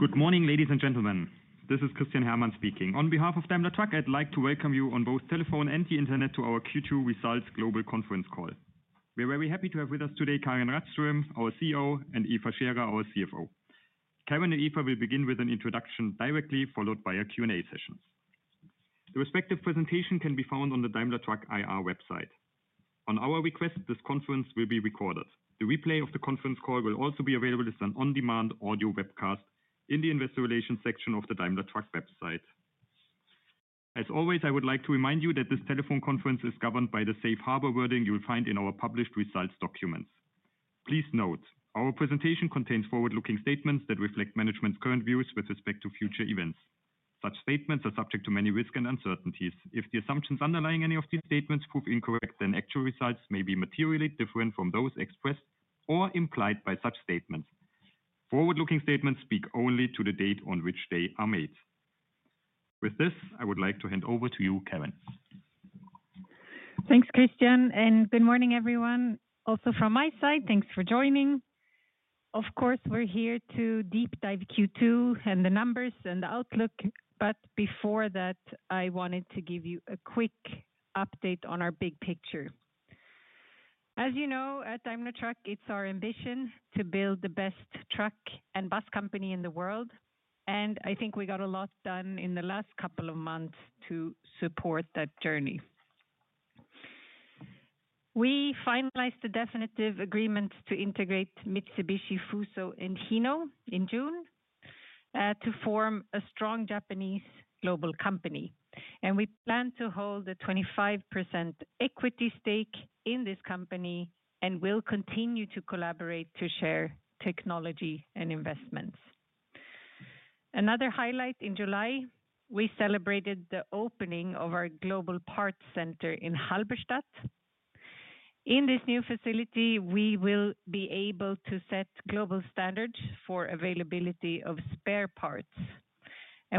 Good morning ladies and gentlemen. This is Christian Herrmann speaking on behalf of Daimler Truck. I'd like to welcome you on both telephone and the Internet to our Q2 results global conference call. We're very happy to have with us today Karin Rådström, our CEO, and Eva Scherer, our CFO. Karin and Eva will begin with an introduction directly followed by a Q and A session. The respective presentation can be found on the Daimler Truck IR website. At our request, this conference will be recorded. The replay of the conference call will also be available as an on demand audio webcast in the investor relations section of the Daimler Truck website. As always, I would like to remind you that this telephone conference is governed by the safe harbor wording you will find in our published results documents. Please note our presentation contains forward looking statements that reflect management's current views with respect to future events. Such statements are subject to many risks and uncertainties. If the assumptions underlying any of these statements prove incorrect, then actual results may be materially different from those expressed or implied by such statements. Forward looking statements speak only to the date on which they are made. With this I would like to hand over to you, Karin. Thanks, Christian, and good morning everyone. Also from my side, thanks for joining. Of course, we're here to deep dive Q2 and the numbers and the outlook. Before that, I wanted to give you a quick update on our big picture. As you know, at Daimler Truck, it's our ambition to build the best truck and bus company in the world. I think we got a lot done in the last couple of months to support that journey. We finalized the definitive agreement to integrate Mitsubishi Fuso and Hino in June to form a strong Japanese global company. We plan to hold a 25% equity stake in this company and will continue to collaborate to share technology and investments. Another highlight, in July we celebrated the opening of our Global Parts Center in Halberstadt. In this new facility, we will be able to set global standards for availability of spare parts.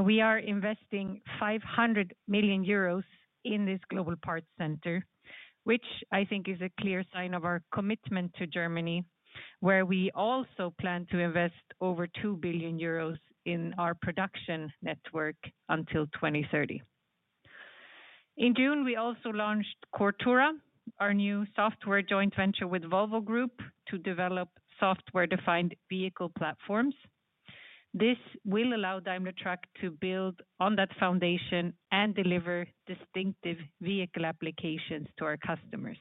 We are investing 500 million euros in this Global Parts Center, which I think is a clear sign of our commitment to Germany, where we also plan to invest over 2 billion euros in our production network until 2030. In June, we also launched Coretura, our new software joint venture with Volvo Group to develop software-defined vehicle platforms. This will allow Daimler Truck to build on that foundation and deliver distinctive vehicle applications to our customers.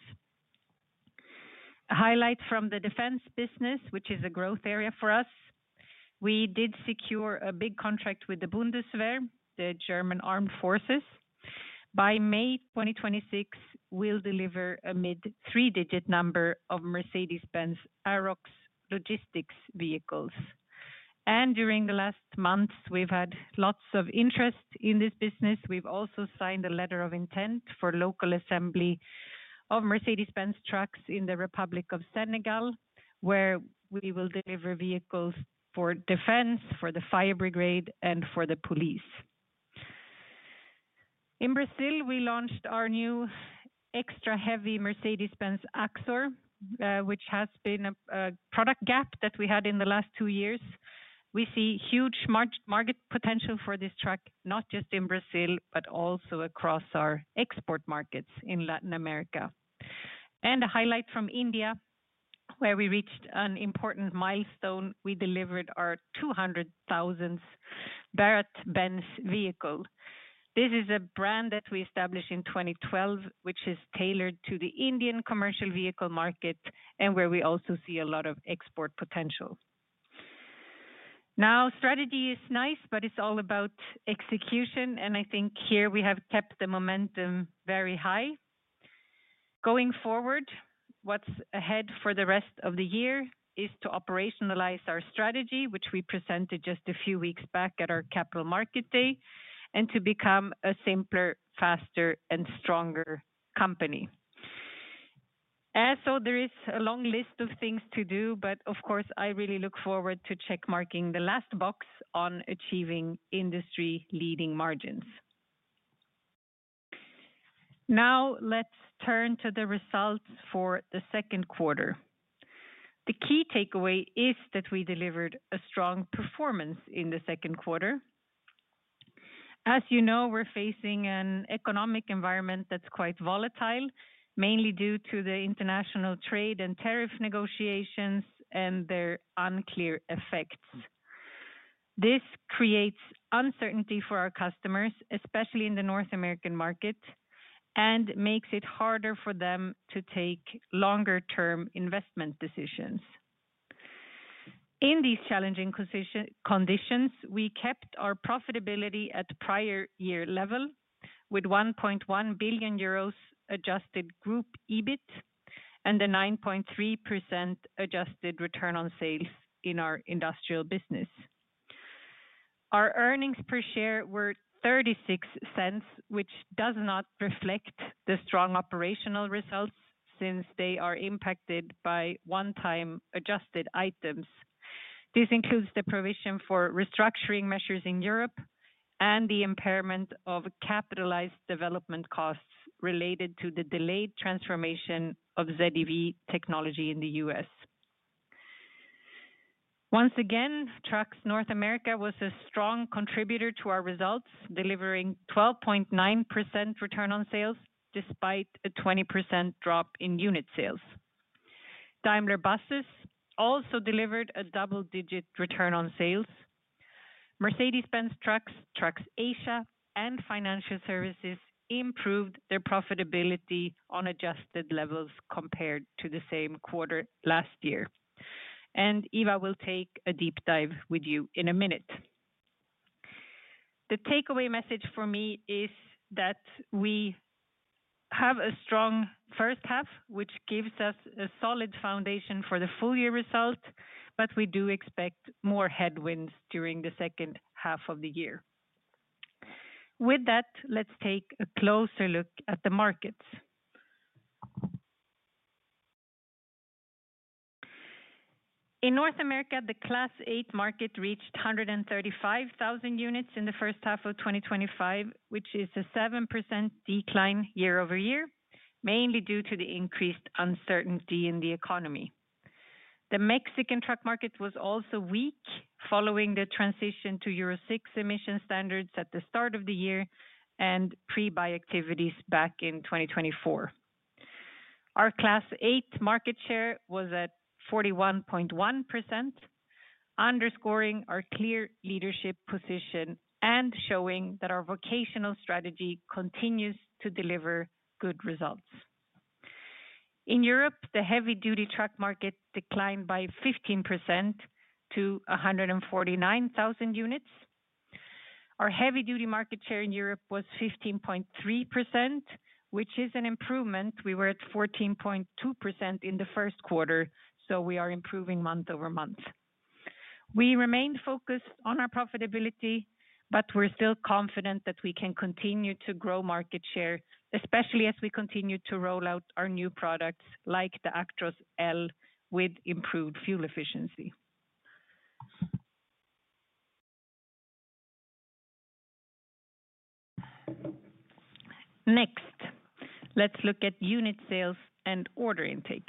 A highlight from the defense business, which is a growth area for us: we did secure a big contract with the Bundeswehr, the German armed forces. By May 2026, we'll deliver a mid three-digit number of Mercedes-Benz Arocs logistics vehicles. During the last months, we've had lots of interest in this business. We've also signed a letter of intent for local assembly of Mercedes-Benz Trucks in the Republic of Senegal, where we will deliver vehicles for defense, for the fire brigade, and for the police. In Brazil, we launched our new extra heavy Mercedes-Benz Axor, which has been a product gap that we had in the last two years. We see huge market potential for this truck, not just in Brazil, but also across our export markets in Latin America. A highlight from India, where we reached an important milestone: we delivered our 200,000th BharatBenz vehicle. This is a brand that we established in 2012, which is tailored to the Indian commercial vehicle market and where we also see a lot of export potential. Now, strategy is nice, but it's all about execution, and I think here we have kept the momentum very high going forward. What's ahead for the rest of the year is to operationalize our strategy, which we presented just a few weeks back at our capital market day, and to become a simpler, faster, and stronger company. There is a long list of things to do, but of course I really look forward to check marking the last box on achieving industry-leading margins. Now let's turn to the results for the second quarter. The key takeaway is that we delivered a strong performance in the second quarter. As you know, we're facing an economic environment that's quite volatile, mainly due to the international trade and tariff negotiations and their unclear effects. This creates uncertainty for our customers, especially in the North American market, and makes it harder for them to take longer-term investment decisions. In these challenging conditions, we kept our profitability at prior year level with 1.1 billion euros adjusted group EBIT and the 9.3% adjusted return on sales. In our industrial business, our earnings per share were $0.36, which does not reflect the strong operational results since they are impacted by one-time adjusted items. This includes the provision for restructuring measures in Europe and the impairment of capitalized development costs related to the delayed transformation of ZEV technology in the U.S. Once again, Trucks North America was a strong contributor to our results, delivering 12.9% return on sales despite a 20% drop in unit sales. Daimler Buses also delivered a double-digit return on sales. Mercedes-Benz Trucks, Trucks Asia, and Daimler Financial Services improved their profitability on adjusted levels compared to the same quarter last year. Eva Scherer will take a deep dive with you in a minute. The takeaway message for me is that we have a strong first half, which gives us a solid foundation for the full year result. We do expect more headwinds during the second half of the year. With that, let's take a closer look at the markets in North America. The Class 8 market reached 135,000 units in the first half of 2025, which is a 7% decline year over year, mainly due to the increased uncertainty in the economy. The Mexican truck market was also weak following the transition to Euro 6 emission standards at the start of the year and pre-buy activities. Back in 2024, our Class 8 market share was at 41.1%, underscoring our clear leadership position and showing that our vocational strategy continues to deliver good results. In Europe, the heavy duty truck market declined by 15% to 149,000 units. Our heavy duty market share in Europe was 15.3%, which is an improvement. We were at 14.2% in the first quarter. We are improving month over month. We remain focused on our profitability, and we're still confident that we can continue to grow market share, especially as we continue to roll out our new products like the Actros L with improved fuel efficiency. Next, let's look at unit sales and order intake.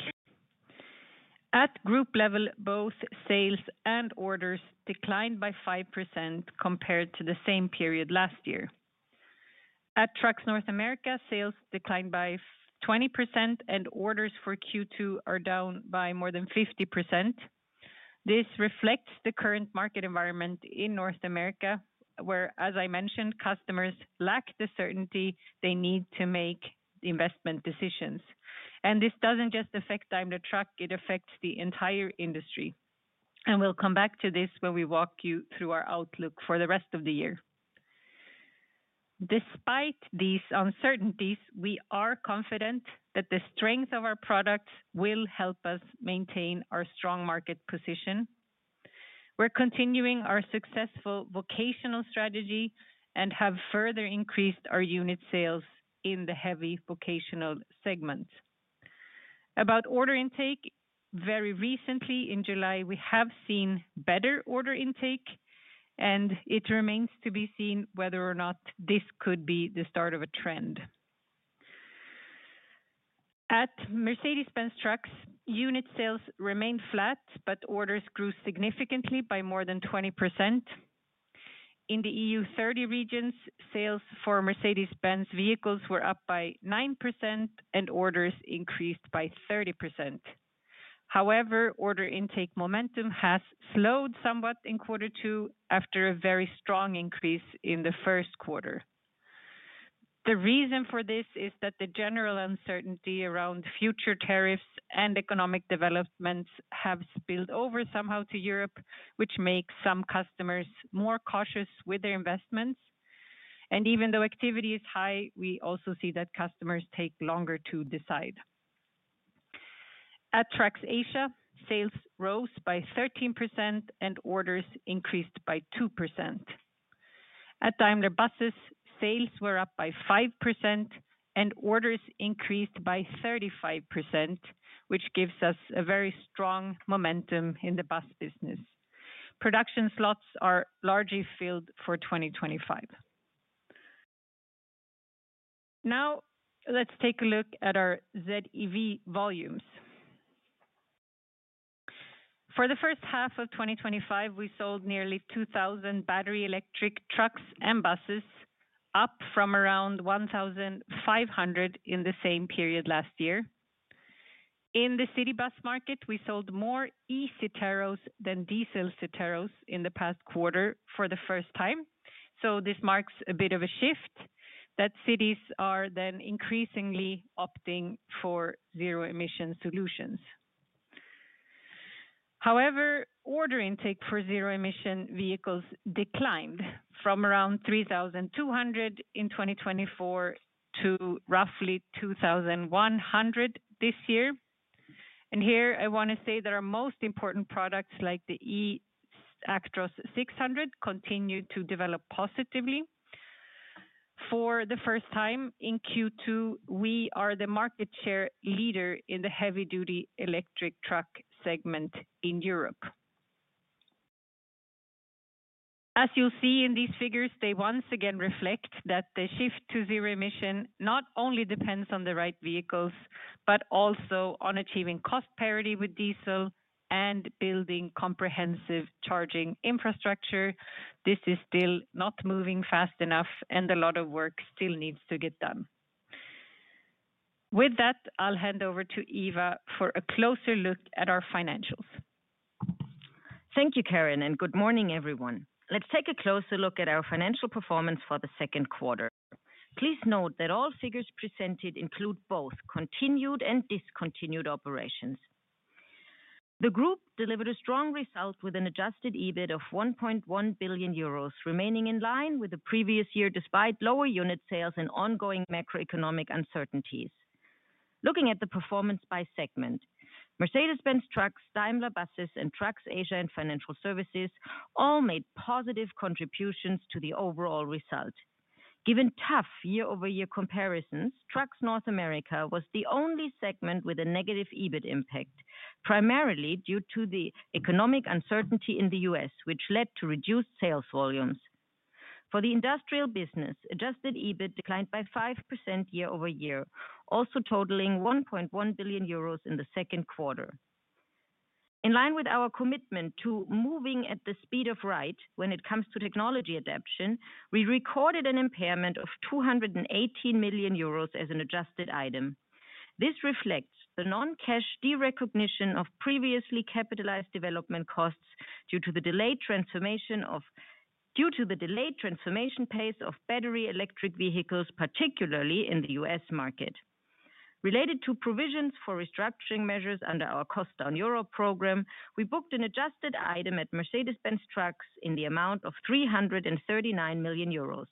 At group level, both sales and orders declined by 5% compared to the same period last year. At Trucks North America, sales declined by 20% and orders for Q2 are down by more than 50%. This reflects the current market environment in North America where, as I mentioned, customers lack the certainty they need to make investment decisions. This doesn't just affect Daimler Truck, it affects the entire industry. We will come back to this when we walk you through our outlook for the rest of the year. Despite these uncertainties, we are confident that the strength of our products will help us maintain our strong market position. We're continuing our successful vocational strategy and have further increased our unit sales in the heavy vocational segment. About order intake. Very recently in July, we have seen better order intake and it remains to be seen whether or not this could be the start of a trend. At Mercedes-Benz Trucks, unit sales remained flat, but orders grew significantly by more than 20%. In the EU30 regions, sales for Mercedes-Benz vehicles were up by 9% and orders increased by 30%. However, order intake momentum has slowed somewhat in quarter two after a very strong increase in the first quarter. The reason for this is that the general uncertainty around future tariffs and economic developments have spilled over somehow to Europe, which makes some customers more cautious with their investments. Even though activity is high, we also see that customers take longer to decide. At Trucks Asia, sales rose by 13% and orders increased by 2%. At Daimler Buses, sales were up by 5% and orders increased by 35%, which gives us a very strong momentum. In the bus business, production slots are largely filled for 2025. Now let's take a look at our ZEV volumes. For the first half of 2025, we sold nearly 2,000 battery electric trucks and buses, up from around 1,500 in the same period last year. In the city bus market, we sold more eCitaros than diesel Citaros in the past quarter for the first time. This marks a bit of a shift that cities are then increasingly opting for zero-emission solutions. However, order intake for zero-emission vehicles declined from around 3,200 in 2023 to roughly 2,100 this year. Here I want to say that our most important products like the eActros 600 continue to develop positively. For the first time in Q2, we are the market share leader in the heavy-duty electric truck segment in Europe. As you'll see in these figures, they once again reflect that the shift to zero-emission not only depends on the right vehicles, but also on achieving cost parity with diesel and building comprehensive charging infrastructure. This is still not moving fast enough, and a lot of work still needs to get done. With that, I'll hand over to Eva Scherer for a closer look at our financials. Thank you Karin and good morning everyone. Let's take a closer look at our financial performance for the second quarter. Please note that all figures presented include both continued and discontinued operations. The group delivered a strong result with an adjusted EBIT of 1.1 billion euros, remaining in line with the previous year despite lower unit sales and ongoing macroeconomic uncertainties. Looking at the performance by segment, Mercedes-Benz Trucks, Daimler Buses, Trucks Asia, and Daimler Financial Services all made positive contributions to the overall result given tough year-over-year comparisons. Trucks North America was the only segment with a negative EBIT impact, primarily due to the economic uncertainty in the U.S., which led to reduced sales volumes for the industrial business. Adjusted EBIT declined by 5% year-over-year, also totaling 1.1 billion euros in the second quarter. In line with our commitment to moving at the speed of right when it comes to technology adoption, we recorded an impairment of 218 million euros as an adjusted item. This reflects the non-cash derecognition of previously capitalized development costs due to the delayed transformation pace of battery electric vehicles, particularly in the U.S. market. Related to provisions for restructuring measures under our cost down euro program, we booked an adjusted item at Mercedes-Benz Trucks in the amount of 339 million euros.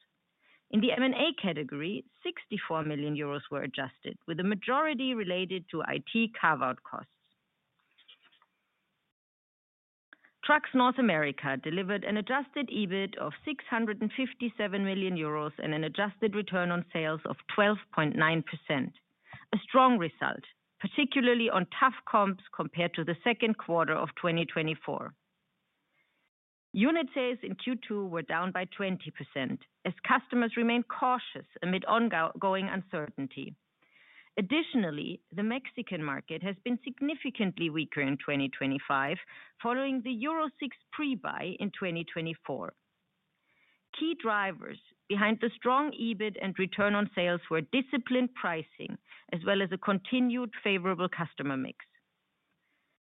In the M&A category, 64 million euros were adjusted, with the majority related to IT carve-out costs. Trucks North America delivered an adjusted EBIT of 657 million euros and an adjusted return on sales of 12.9%, a strong result particularly on tough comps. Compared to the second quarter of 2024, unit sales in Q2 were down by 20% as customers remain cautious amid ongoing uncertainty. Additionally, the Mexican market has been significantly weaker in 2025 following the Euro 6 pre-buy in 2024. Key drivers behind the strong EBIT and return on sales were disciplined pricing as well as a continued favorable customer mix.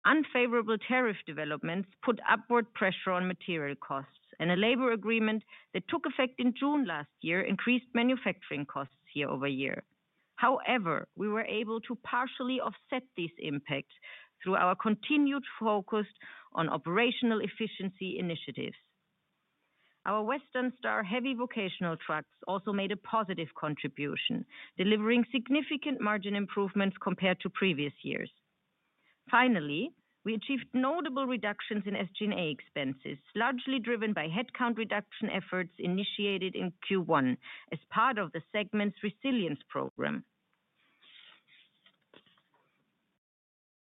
Unfavorable tariff developments put upward pressure on material costs, and a labor agreement that took effect in June last year increased manufacturing costs year-over-year. However, we were able to partially offset this impact through our continued focus on operational efficiency initiatives. Our Western Star heavy vocational trucks also made a positive contribution, delivering significant margin improvements compared to previous years. Finally, we achieved notable reductions in SG&A expenses, largely driven by headcount reduction efforts initiated in Q1 as part of the segment's resilience program.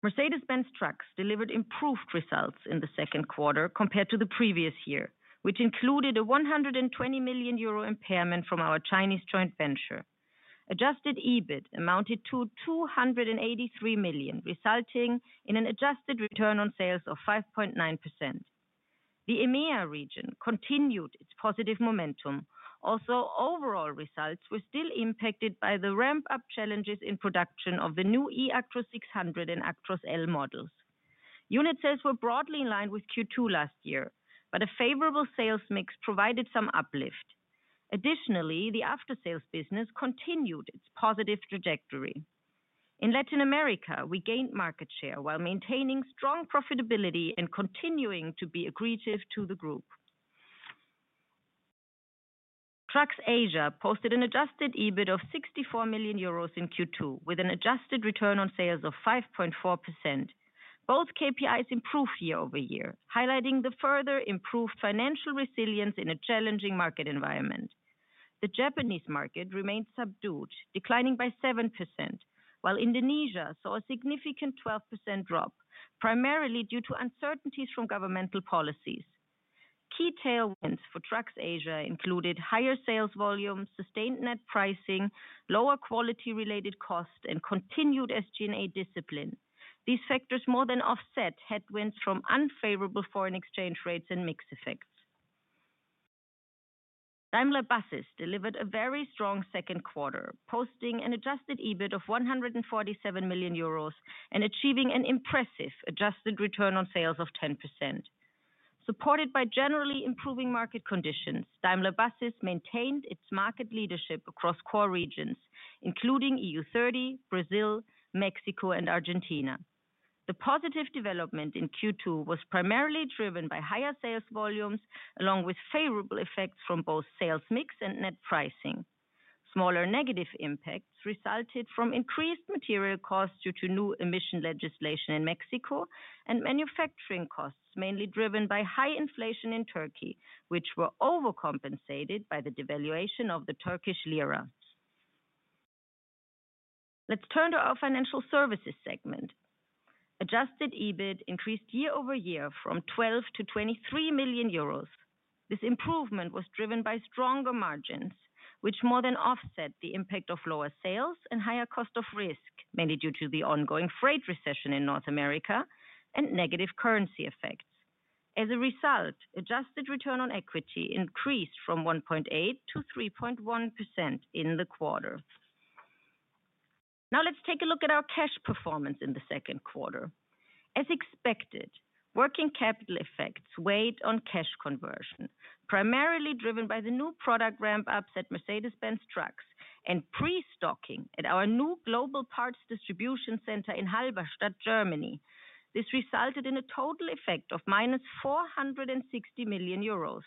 Mercedes-Benz Trucks delivered improved results in the second quarter compared to the previous year, which included a 120 million euro impairment from our Chinese joint venture. Adjusted EBIT amounted to 283 million, resulting in an adjusted return on sales of 5.9%. The EMEA region continued its positive momentum. Also, overall results were still impacted by the ramp-up challenges in production of the new eActros 600 and Actros L models. Unit sales were broadly in line with Q2 last year, but a favorable sales mix provided some uplift. Additionally, the aftersales business continued its positive trajectory in Latin America. We gained market share while maintaining strong profitability and continuing to be accretive to the group. Trucks Asia posted an adjusted EBIT of 64 million euros in Q2 with an adjusted return on sales of 5.4%. Both KPIs improved year over year, highlighting the further improved financial resilience in a challenging market environment. The Japanese market remained subdued, declining by 7% while Indonesia saw a significant 12% drop, primarily due to uncertainties from governmental policies. Key tailwinds for Trucks Asia included higher sales volume, sustained net pricing, lower quality-related cost, and continued SG&A discipline. These factors more than offset headwinds from unfavorable foreign exchange rates and mix effects. Daimler Buses delivered a very strong second quarter, posting an adjusted EBIT of 147 million euros and achieving an impressive adjusted return on sales of 10%. Supported by generally improving market conditions, Daimler Buses maintained its market leadership across core regions including EU30, Brazil, Mexico, and Argentina. The positive development in Q2 was primarily driven by higher sales volumes along with favorable effects from both sales mix and net pricing. Smaller negative impacts resulted from increased material costs due to new emission legislation in Mexico and manufacturing costs mainly driven by high inflation in Turkey, which were overcompensated by the devaluation of the Turkish lira. Let's turn to our financial services segment. Adjusted EBIT increased year over year from 12 million to 23 million euros. This improvement was driven by stronger margins, which more than offset the impact of lower sales and higher cost of risk, mainly due to the ongoing freight recession in North America and negative currency effects. As a result, adjusted return on equity increased from 1.8% to 3.1% in the quarter. Now let's take a look at our cash performance in the second quarter. As expected, working capital effects weighed on cash conversion, primarily driven by the new product ramp-ups at Mercedes-Benz Trucks and pre-stocking at our new Global Parts Center in Halberstadt, Germany. This resulted in a total effect of -460 million euros.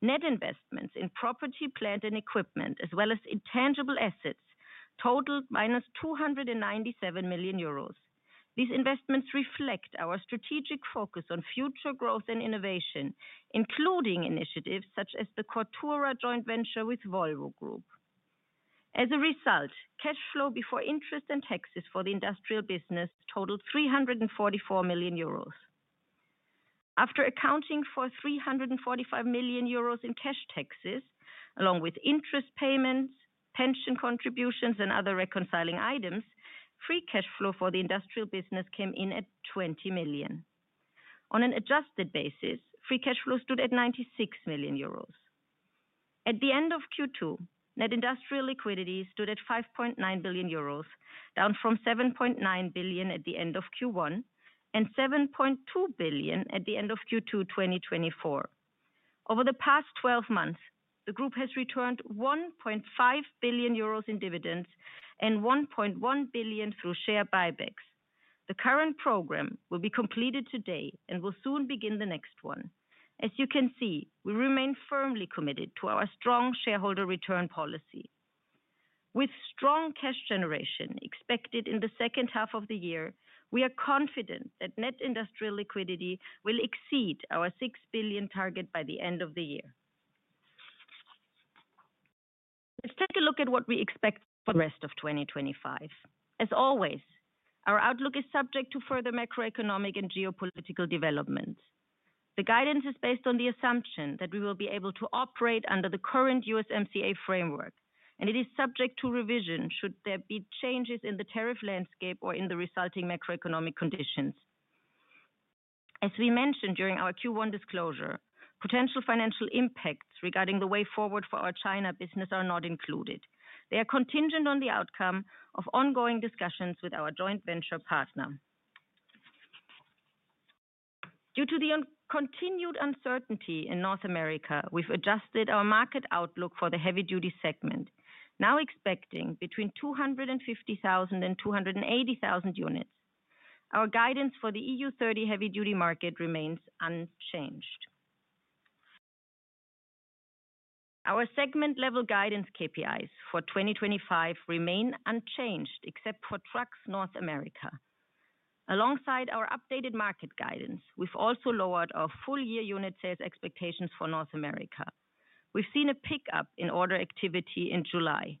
Net investments in property, plant and equipment as well as intangible assets totaled -297 million euros. These investments reflect our strategic focus on future growth and innovation, including initiatives such as the Coretura joint venture with Volvo Group. As a result, cash flow before interest and taxes for the industrial business totaled 344 million euros. After accounting for 345 million euros in cash taxes along with interest payments, pension contributions, and other reconciling items, free cash flow for the industrial business came in at 20 million. On an adjusted basis, free cash flow stood at 96 million euros. At the end of Q2, net industrial liquidity stood at 5.9 billion euros, down from 7.9 billion at the end of Q1 and 7.2 billion at the end of Q2 2024. Over the past 12 months, the group has returned 1.5 billion euros in dividends and 1.1 billion through share buybacks. The current program will be completed today and will soon begin the next one. As you can see, we remain firmly committed to our strong shareholder return policy. With strong cash generation expected in the second half of the year, we are confident that net industrial liquidity will exceed our 6 billion target by the end of the year. Let's take a look at what we expect for the rest of 2025. As always, our outlook is subject to further macroeconomic and geopolitical development. The guidance is based on the assumption that we will be able to operate under the current USMCA framework, and it is subject to revision should there be changes in the tariff landscape or in the resulting macroeconomic conditions. As we mentioned during our Q1 disclosure, potential financial impacts regarding the way forward for our China business are not included. They are contingent on the outcome of ongoing discussions with our joint venture partner. Due to the continued uncertainty in North America, we've adjusted our market outlook for the heavy duty segment, now expecting between 250,000 and 280,000 units. Our guidance for the EU30 heavy duty market remains unchanged. Our segment level guidance KPIs for 2025 remain unchanged except for Trucks North America. Alongside our updated market guidance, we've also lowered our full year unit sales expectations for North America. We've seen a pickup in order activity in July.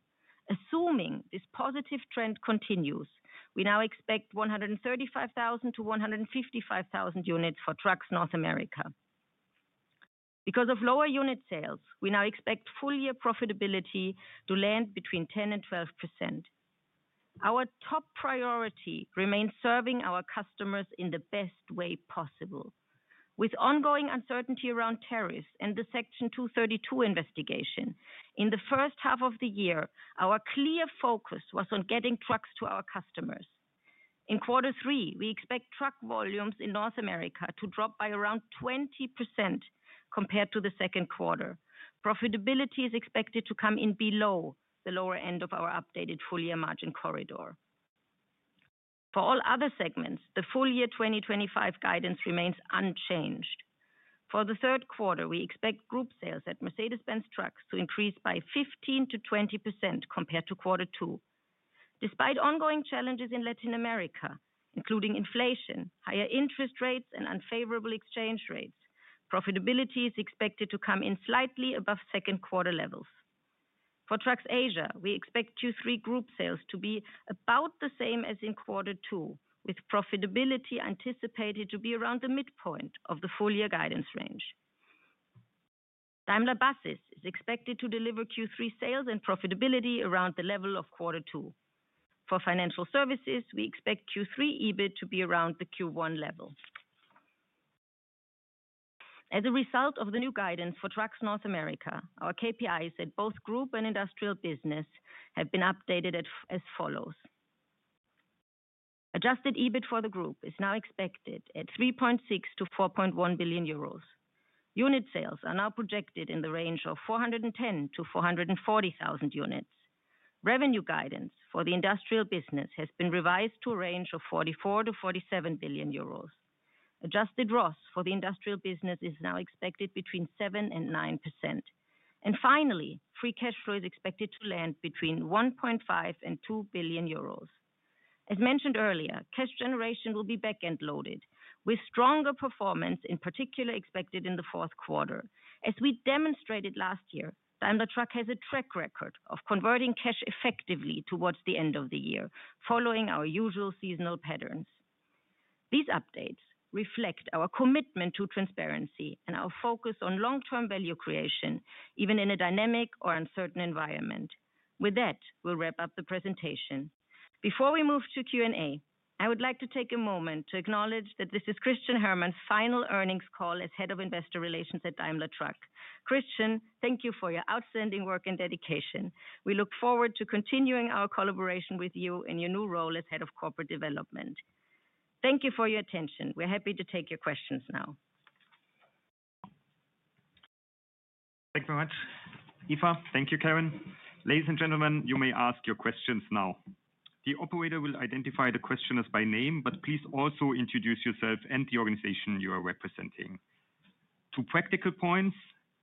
Assuming this positive trend continues, we now expect 135,000 to 155,000 units. For Trucks North America, because of lower unit sales, we now expect full year profitability to land between 10% and 12%. Our top priority remains serving our customers in the best way possible. With ongoing uncertainty around tariffs and the Section 232 investigation in the first half of the year, our clear focus was on getting trucks to our customers. In quarter three, we expect truck volumes in North America to drop by around 20% compared to the second quarter. Profitability is expected to come in below the lower end of our updated full year margin corridor. For all other segments, the full year 2025 guidance remains unchanged. For the third quarter, we expect group sales at Mercedes-Benz Trucks to increase by 15% to 20% compared to quarter two. Despite ongoing challenges in Latin America, including inflation, higher interest rates, and unfavorable exchange rates, profitability is expected to come in slightly above second quarter levels. For Trucks Asia, we expect Q3 group sales to be about the same as in quarter two, with profitability anticipated to be around the midpoint of the full year guidance range. Daimler Buses is expected to deliver Q3 sales and profitability around the level of quarter two. For Daimler Financial Services, we expect Q3 EBIT to be around the Q1 level. As a result of the new guidance for Trucks North America, our KPIs at both group and industrial business have been updated as follows. Adjusted EBIT for the group is now expected at 3.6 to 4.1 billion euros. Unit sales are now projected in the range of 410,000 to 440,000 units. Revenue guidance for the industrial business has been revised to a range of 44 to 47 billion euros. Adjusted return on sales for the industrial business is now expected between 7% and 9%. Finally, free cash flow is expected to land between 1.5 and 2 billion euros. As mentioned earlier, cash generation will be back end loaded with stronger performance in particular expected in the fourth quarter. As we demonstrated last year, Daimler Truck has a track record of converting cash effectively towards the end of the year, following our usual seasonal patterns. These updates reflect our commitment to transparency and our focus on long term value creation, even in a dynamic or uncertain environment. With that, we'll wrap up the presentation. Before we move to Q&A, I would like to take a moment to acknowledge that this is Christian Herrmann's final earnings call as Head of Investor Relations at Daimler Truck. Christian, thank you for your outstanding work and dedication. We look forward to continuing our collaboration with you in your new role as Head of Corporate Development. Thank you for your attention. We're happy to take your questions now. Thank you very much, Eva. Thank you, Karin. Ladies and gentlemen, you may ask your questions now. The operator will identify the questioners by name, but please also introduce yourself and the organization you are representing. Two practical points.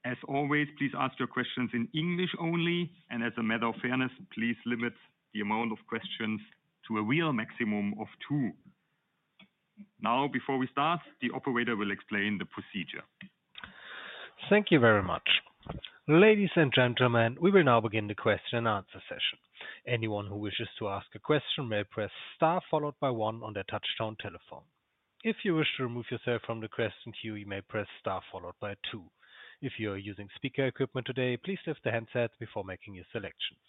As always, please ask your questions in English only. As a matter of fairness, please limit the amount of questions to a real maximum of two. Now, before we start, the operator will explain the procedure. Thank you very much, ladies and gentlemen. We will now begin the question and answer session. Anyone who wishes to ask a question may press star followed by one on their touch-tone telephone. If you wish to remove yourself from the question queue, you may press * followed by 2. If you are using speaker equipment today, please lift the handset before making your selections.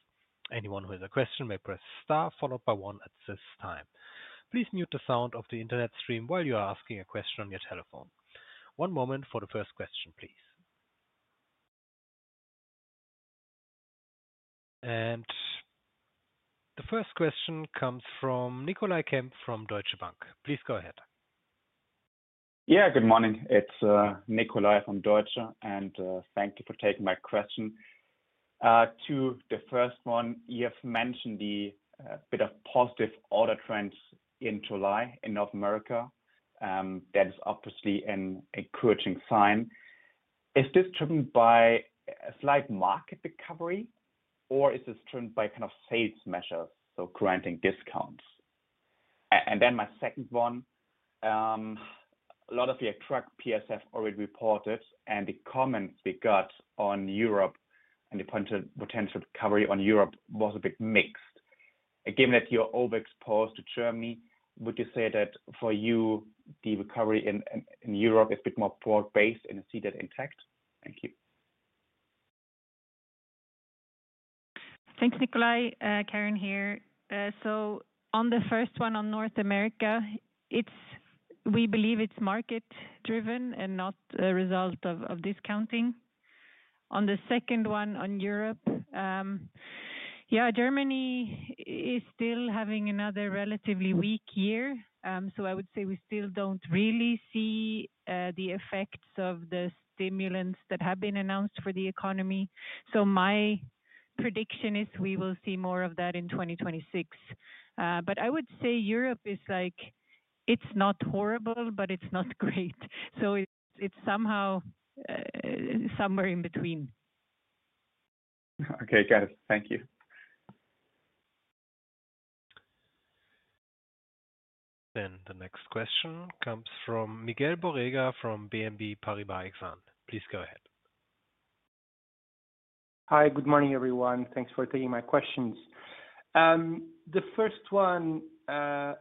Anyone who has a question may press star followed by one. At this time, please mute the sound of the Internet stream while you are asking a question on your telephone. One moment for the first question, please. The first question comes from Nicolai Kempf from Deutsche Bank. Please go ahead. Good morning, it's Nicolai from Deutsche, and thank you for taking my question. To the first one, you have mentioned a bit of positive order trends in July in North America. That is obviously an encouraging sign. Is this driven by a slight market recovery, or is this driven by kind of sales measures, so granting discounts? My second one, a lot of your truck peers have already reported, and the comments we got on Europe and the potential recovery in Europe was a bit mixed. Given that you're overexposed to Germany, would you say that for you the recovery in Europe is a bit more port-based and see that intact? Thank you. Thanks, Nicolai. Karin here. On the first one on North America, we believe it's market driven and not a result of discounting. On the second one on Europe, yeah, Germany is still having another relatively weak year. I would say we still don't really see the effects of the stimulants that have been announced for the economy. My prediction is we will see more of that in 2026. I would say Europe is like, it's not horrible, but it's not great. It's somehow somewhere in between. Okay, got it. Thank you. The next question comes from Miguel Borrega from BNP Paribas. Please go ahead. Hi, good morning everyone. Thanks for taking my questions. The first one. I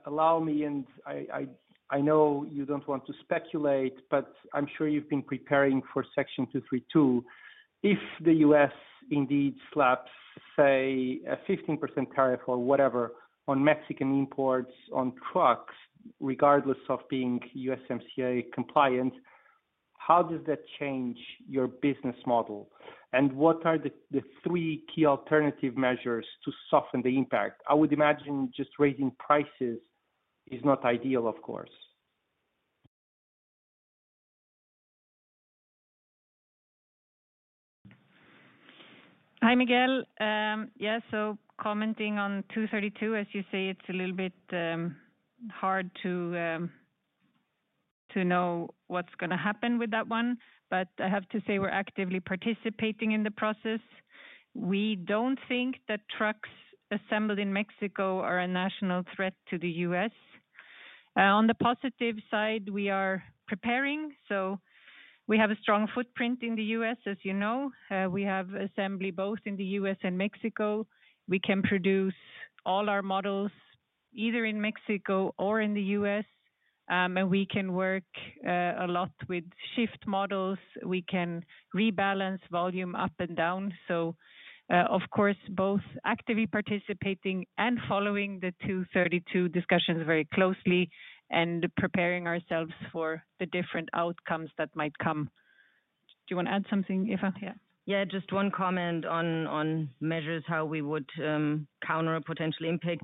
know you don't want to speculate, but I'm sure you've been preparing for Section 232. If the U.S. indeed slaps, say, a 15% tariff or whatever on Mexican imports on trucks, regardless of being USMCA compliant, how does that change your business model? What are the three key alternative measures to soften the impact? I would imagine just raising prices is not ideal, of course. Hi Miguel. Commenting on Section 232, as you say, it's a little bit hard to know what's going to happen with that one. I have to say we're actively participating in the process. We don't think that trucks assembled in Mexico are a national threat to the U.S. On the positive side, we are preparing so we have a strong footprint in the U.S. As you know, we have assembly both in the U.S. and Mexico. We can produce all our models either in Mexico or in the U.S. and we can work a lot with shift models. We can rebalance volume up and down. Of course, both actively participating and following the Section 232 discussions very closely and preparing ourselves for the different outcomes that might come. Do you want to add something, Eva? Just one comment on measures, how we would counter a potential impact.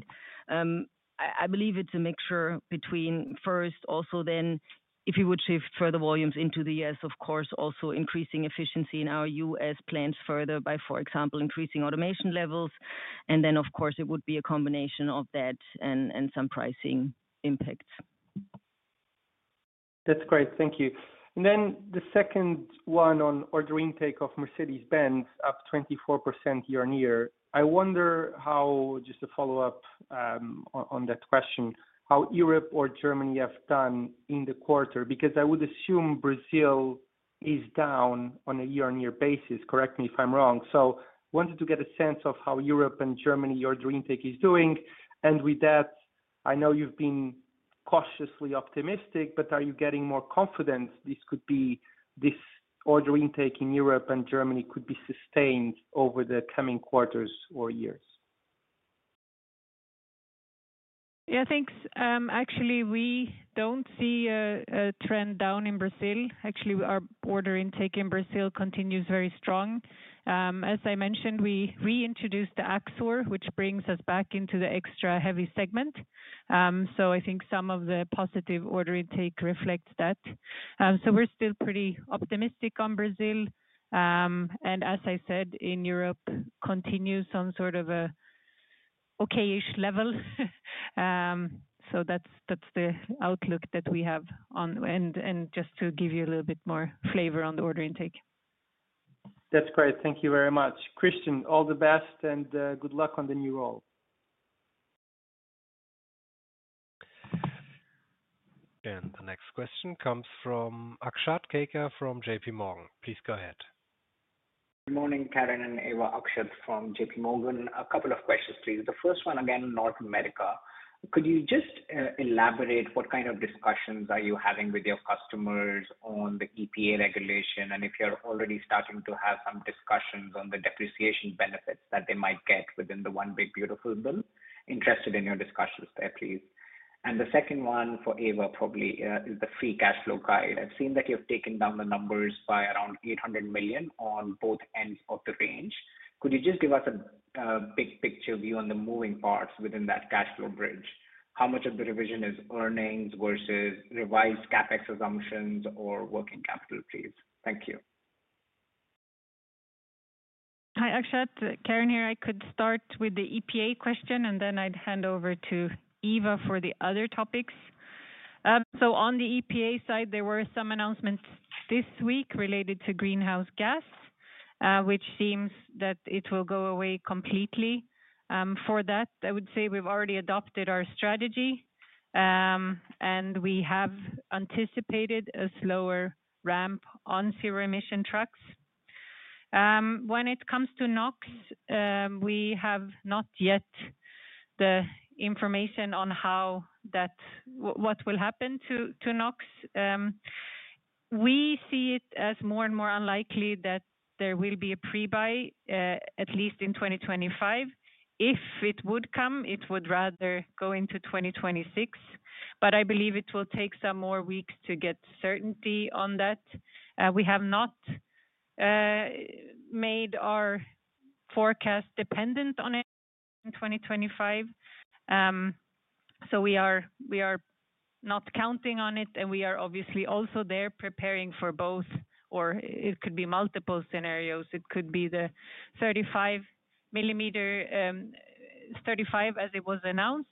I believe it's a mixture between first also, then if you would shift further volumes into the U.S., of course also increasing efficiency in our U.S. plants further by, for example, increasing automation levels. It would be a combination of that and some pricing. That's great, thank you. The second one on order intake of Mercedes-Benz up 24% year on year. I wonder how, just to follow up on that question, how Europe or Germany have done in the quarter because I would assume Brazil is down on a year on year basis. Correct me if I'm wrong. I wanted to get a sense of how Europe and Germany, your order intake, is doing. I know you've been cautiously optimistic, but are you getting more confident this order intake in Europe and Germany could be sustained over the coming quarters or years? Thanks. Actually, we don't see a trend down in Brazil. Actually, our order intake in Brazil continues very strong. As I mentioned, we reintroduced the Mercedes-Benz Axor, which brings us back into the extra heavy segment. I think some of the positive order intake reflects that. We're still pretty optimistic on Brazil, and as I said, in Europe continues on sort of an okayish level. That's the outlook that we have. Just to give you a little bit more flavor on the order intake. That's great. Thank you very much, Christian. All the best and good luck on the new role. The next question comes from Akshat Kacker from JPMorgan. Please go ahead. Good morning, Karin and Eva, Akshat from JPMorgan. A couple of questions, please. The first one, again, North America. Could you just elaborate what kind of discussions you are having with your customers on the EPA regulation? If you're already starting to have some discussions on the depreciation benefits that they might get within the one big beautiful bill, I'm interested in your discussions there, please. The second one for Eva, probably, is the free cash flow guide. I've seen that you've taken down the numbers by around $800 million on both ends of the range. Could you just give us a big picture view on the moving parts within that cash flow bridge? How much of the revision is earnings versus revised CapEx assumptions or working capital, please. Thank you. Hi Akshat, Karin here. I could start with the EPA question and then I'd hand over to Eva for the other topics. On the EPA side, there were some announcements this week related to greenhouse gas, which seems that it will go away completely. For that, I would say we've already adopted our strategy and we have anticipated a slower ramp on zero-emission trucks. When it comes to NOx, we have not yet the information on how that, what will happen to NOx. We see it as more and more unlikely that there will be a pre-buy at least in 2025. If it would come, it would rather go into 2026, but I believe it will take some more weeks to get certainty on that. We made our forecast dependent on it in 2025, so we are not counting on it and we are obviously also there preparing for both. It could be multiple scenarios. It could be the 35.35 as it was announced.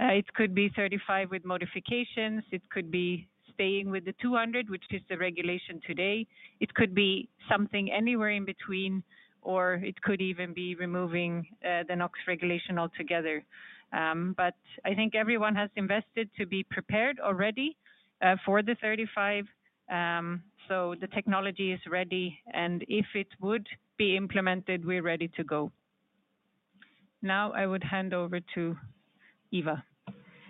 It could be 35 with modifications. It could be staying with the 200, which is the regulation today. It could be something anywhere in between, or it could even be removing the NOx regulation altogether. I think everyone has invested to be prepared already for the 35. The technology is ready, and if it would be implemented, we're ready to go now. I would hand over to. Eva.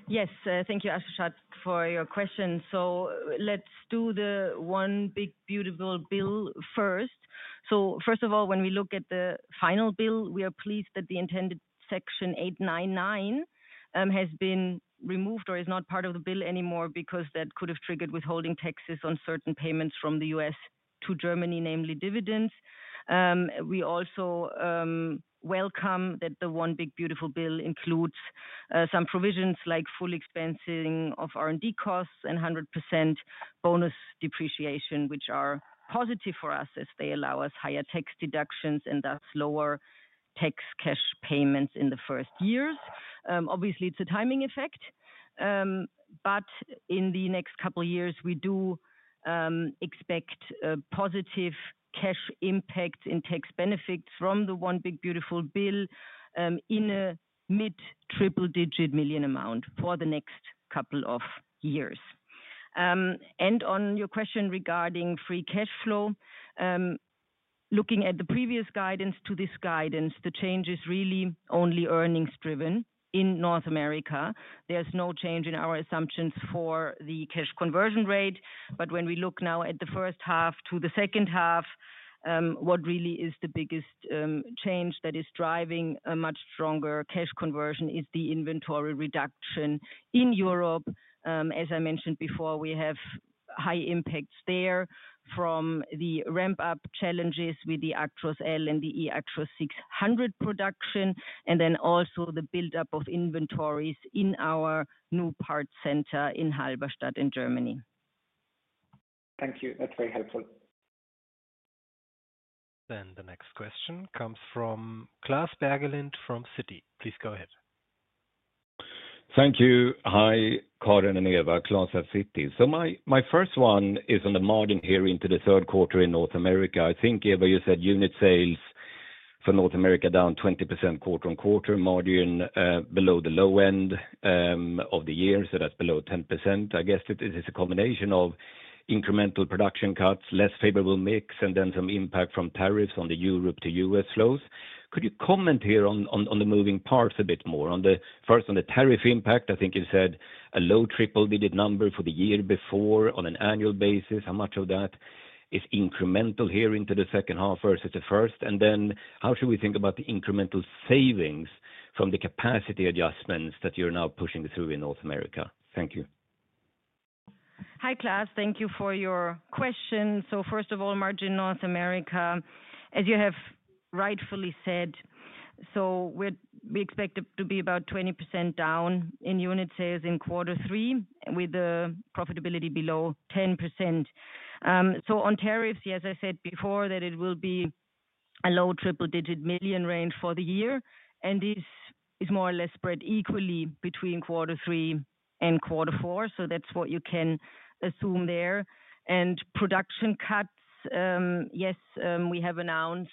Yes, thank you, Akshat, for your question. Let's do the one big beautiful bill first. First of all, when we look at the final bill, we are pleased that the intended Section 899 has been removed or is not part of the bill anymore because that could have triggered withholding taxes on certain payments from the U.S. to Germany, namely dividends. We also welcome that the one big beautiful bill includes some provisions like full expensing of R&D costs and 100% bonus depreciation, which are positive for us as they allow us higher tax deductions and thus lower tax cash payments in the first years. Obviously, it's a timing effect, but in the next couple of years we do expect positive cash impact in tax benefits from the one big beautiful bill in a mid triple-digit million amount for the next couple of years. On your question regarding free cash flow, looking at the previous guidance to this guidance, the change is really only earnings driven in North America. There's no change in our assumptions for the cash conversion rate. When we look now at the first half to the second half, what really is the big change that is driving a much stronger cash conversion is the inventory reduction in Europe. As I mentioned before, we have high impacts there from the ramp-up challenges with the Actros L and the eActros 600 production and then also the buildup of inventories in our new parts center in Halberstadt in Germany. Thank you, that's very helpful. The next question comes from Klas Bergelind from Citigroup. Please go ahead. Thank you. Hi Karin and Eva, Klas at Citi. My first one is on the margin here into the third quarter in North America, I think. Eva, you said unit sales for North America down 20% quarter on quarter, margin below the low end of the year, so that's below 10%. I guess it is a combination of incremental production cuts, less favorable mix, and then some impact from tariffs on the Europe to U.S. flows. Could you comment here on the moving parts a bit more, first on the tariff impact? I think you said a low triple-digit number for the year before on an annual basis. How much of that is incremental here into the second half versus the first? How should we think about the incremental savings from the capacity adjustments that you're now pushing through in North America? Thank you. Hi Klas, thank you for your question. First of all, margin North America, as you have rightfully said, we expect it to be about 20% down in unit sales in quarter three with the profitability below 10%. On tariffs, as I said before, it will be a low triple digit million range for the year and this is more or less spread equally between quarter three and quarter four. That's what you can assume there. Production cuts, yes, we have announced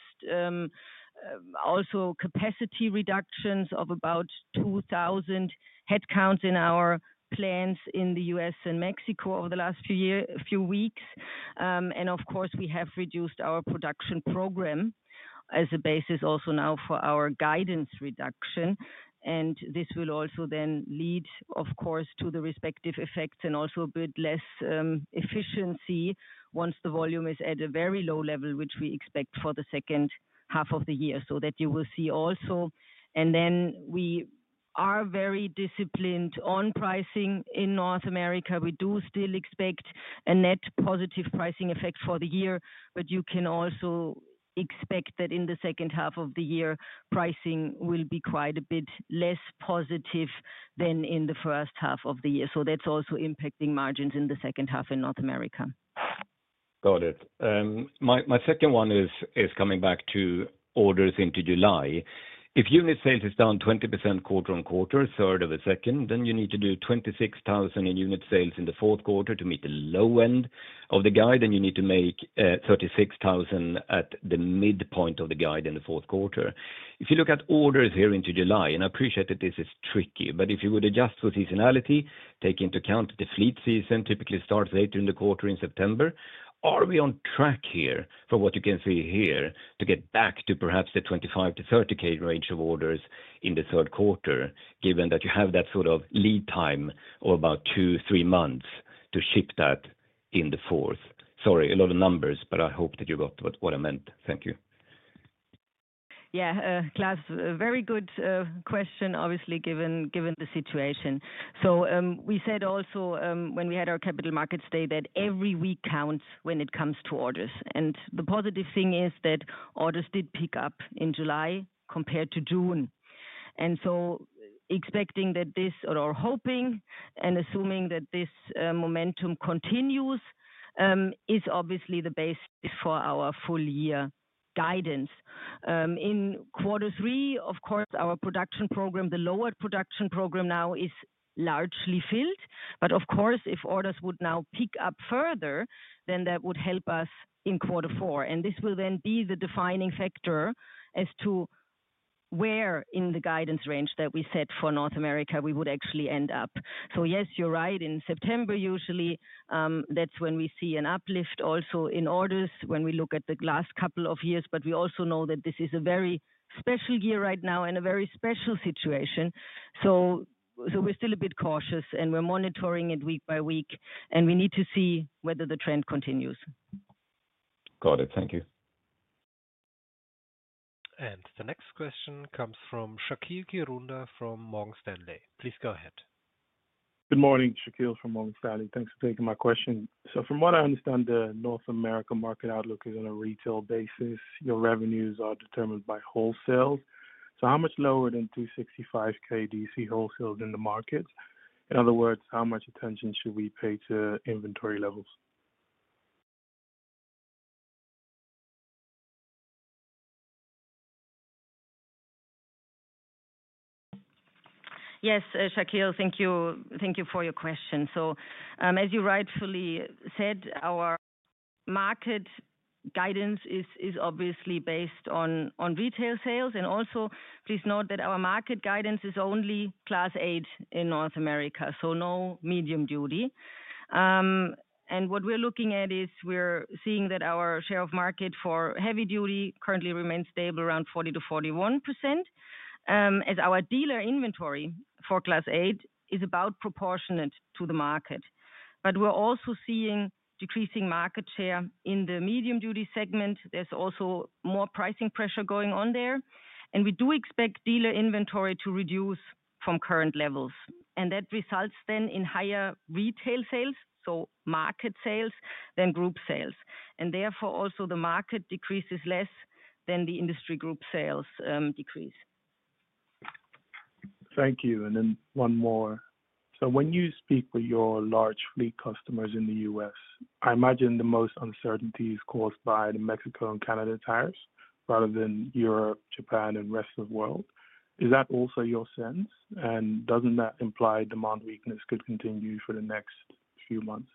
also capacity reductions of about 2,000 headcounts in our plants in the U.S. and Mexico over the last few weeks. Of course, we have reduced our production program as a basis also now for our guidance reduction. This will also then lead to the respective effects and also a bit less efficiency once the volume is at a very low level, which we expect for the second half of the year. You will see that also. We are very disciplined on pricing in North America. We do still expect a net positive pricing effect for the year, but you can also expect that in the second half of the year pricing will be quite a bit less positive than in the first half of the year. That's also impacting margins in the second half in North America. Got it. My second one is coming back to orders into July. If unit sales is down 20% quarter on quarter third of a second, then you need to do 26,000 in unit sales in the fourth quarter to meet the low end of the guide. You need to make 36,000 at the midpoint of the guide in the fourth quarter. If you look at orders here, into July, and I appreciate that this is tricky, but if you would adjust for seasonality, take into account the fleet season typically starts later in the quarter in September. Are we on track here for what you can see here to get back to perhaps the 25,000 to 30,000 range of orders in the third quarter, given that you have that sort of lead time of about two, three months to ship that in the fourth. Sorry, a lot of numbers, but I hope that you got what I meant. Thank you. Klas, very good question, obviously, given the situation. We said also when we had our Capital Markets Day that every week counts when it comes to orders. The positive thing is that orders did pick up in July compared to June. Expecting that this or hoping and assuming that this momentum continues is obviously the basis for our full year guidance in quarter three. Of course, our production program, the lower production program now, is largely filled. Of course, if orders would now pick up further, that would help us in quarter four. This will then be the defining factor as to where in the guidance range that we set for North America we would actually end up. Yes, you're right. In September, usually that's when we see an uplift also in orders when we look at the last couple of years. We also know that this is a very special year right now and a very special situation. We're still a bit cautious and we're monitoring it week by week and we need to see whether the trend continues. Got it. Thank you. The next question comes from Shaqeal Kirunda from Morgan Stanley. Please go ahead. Good morning, Shaqeal from Morgan Stanley. Thanks for taking my question. From what I understand, the North America market outlook is on a retail basis. Your revenues are determined by wholesales. How much lower than 265,000 do you see wholesaled in the market? In other words, how much attention should we pay to inventory levels? Yes, Shaqeal, thank you. Thank you for your question. As you rightfully said, our market guidance is obviously based on retail sales. Also, please note that our market guidance is only Class 8 in North America, so no medium duty. What we're looking at is we're seeing that our share of market for heavy duty currently remains stable around 40 to 41% as our dealer inventory for Class 8 is about proportionate to the market. We're also seeing decreasing market share in the medium duty segment. There's also more pricing pressure going on there, and we do expect dealer inventory to reduce from current levels, and that results then in higher retail sales. Market sales than group sales, and therefore also the market decreases less than the industry group sales decrease. Thank you. One more, when you speak with your large fleet customers in the U.S., I imagine the most uncertainty is caused by the Mexico and Canada tariffs rather than Europe, Japan, and the rest of the world. Is that also your sense, and doesn't that imply demand weakness could continue for the next few months?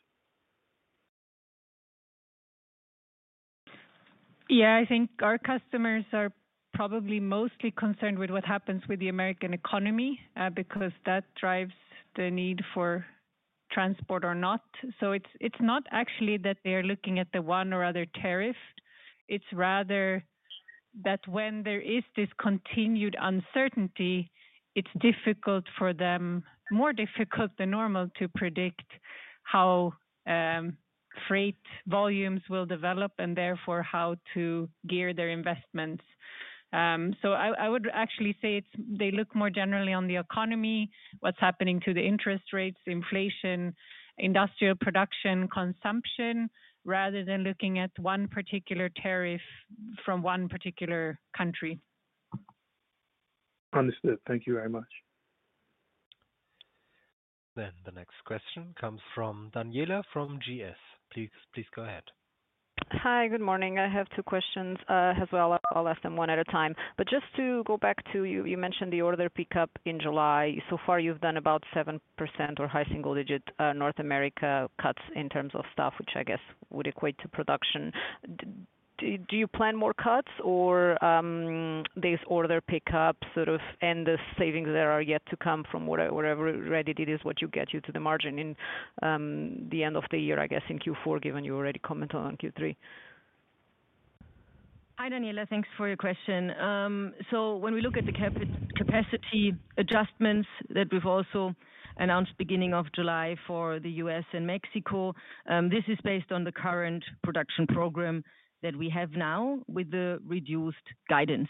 I think our customers are probably mostly concerned with what happens with the American economy because that drives the need for transport or not. It's not actually that they are looking at the one or other tariff. It's rather that when there is this continued uncertainty, it's difficult for them, more difficult than normal, to predict how freight volumes will develop and therefore how to gear their investments. I would actually say they look more generally on the economy, what's happening to the interest rates, inflation, industrial production, consumption, rather than looking at one particular tariff from one particular country. Understood, thank you very much. The next question comes from Daniela Costa from GS Please go ahead. Hi, good morning. I have two questions as well. I'll ask them one at a time. Just to go back to, you mentioned the order pickup in July. So far you've done about 7% or high single digit North America cuts in terms of staff, which I guess would equate to production. Do you plan more cuts or is this order pickup sort of endless savings that are yet to come from whatever ready it is, what gets you to the margin in the end of the year, I guess in Q4, given you already commented on Q3. Hi Daniela, thanks for your question. When we look at the capacity adjustments that we've also announced at the beginning of July for the U.S. and Mexico, this is based on the current production program that we have now with the reduced guidance.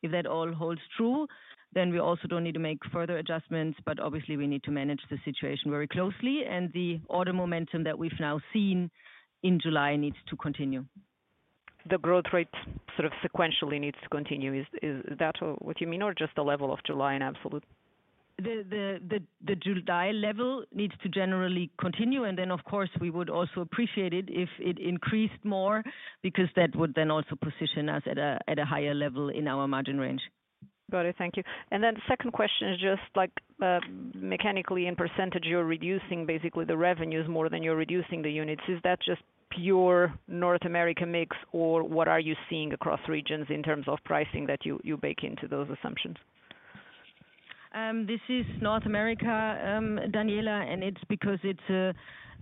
If that all holds true, then. We also don't need to make further adjustments. Obviously, we need to manage the situation very closely, and the order momentum that we've now seen in July needs to continue. The growth rate sort of sequentially needs to continue. Is that what you mean or just the level of July in absolute? The July level needs to generally continue. Of course, we would also appreciate it if it increased more because that would then also put us at a higher level in our margin range. Got it, thank you. Second question is just like mechanically in %, you're reducing basically the revenues more than you're reducing the units. Is that just pure North America mix or what are you seeing across regions in terms of pricing that you bake into those assumptions? This is North America, Daniela. It's because it's a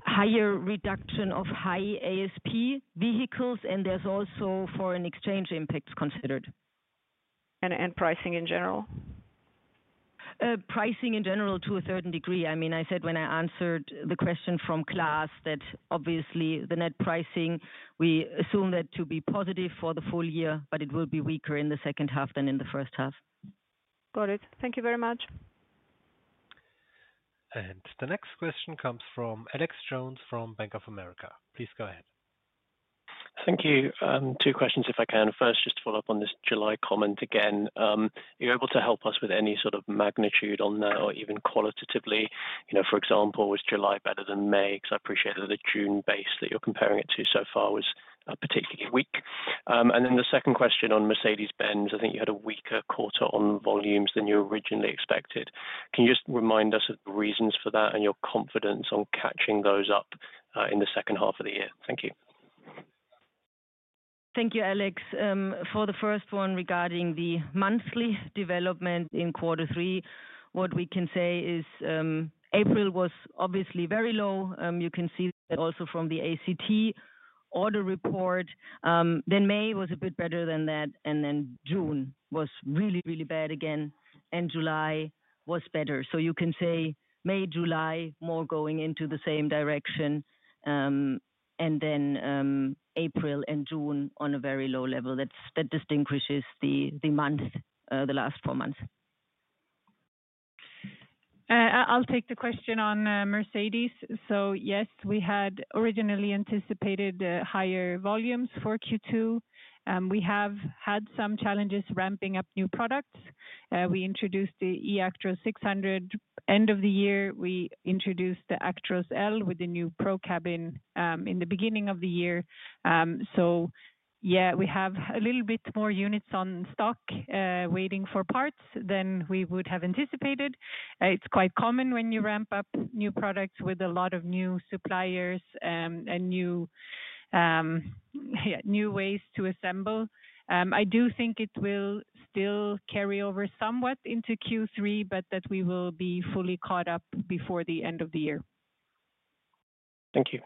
higher reduction of high ASP vehicles, and there's also foreign exchange impacts considered and pricing in general. Pricing in general to a certain degree. I mean, I said when I answered the question from Klas that obviously the net pricing, we assume that to be positive for the full year, but it will be weaker in the second half than in the first half. Got it. Thank you very much. The next question comes from Alexander Jones from Bank of America. Please go ahead. Thank you. Two questions, if I can. First, just follow up on this July comment again, are you able to help us with any sort of magnitude on that or even qualitatively? For example, was July better than May? I appreciate that the June base that you're comparing it to so far was particularly weak. The second question on Mercedes-Benz, I think you had a weaker quarter on volumes than you originally expected. Can you just remind us of the reasons for that and your confidence on catching those up in the second half of the year? Thank you, Alex. For the first one regarding the monthly development in quarter three, what we can say is April was obviously very low. You can see also from the ACT order report, then May was a bit better than that, and then June was really, really bad again, and July was better. You can say May and July more going into the same direction, and then April and June on a very low level. That distinguishes the month, the last four months. I'll take the question on Mercedes. Yes, we had originally anticipated higher volumes for Q2. We have had some challenges ramping up new products. We introduced the eActros 600 at the end of the year. We introduced the Actros L with the new Pro cabin in the beginning of the year. We have a little bit more units on stock waiting for parts than we would have anticipated. It's quite common when you ramp up new products with a lot of new suppliers and new ways to assemble. I do think it will still carry over somewhat into Q3, but we will be fully caught up before the end of the year. Thank you.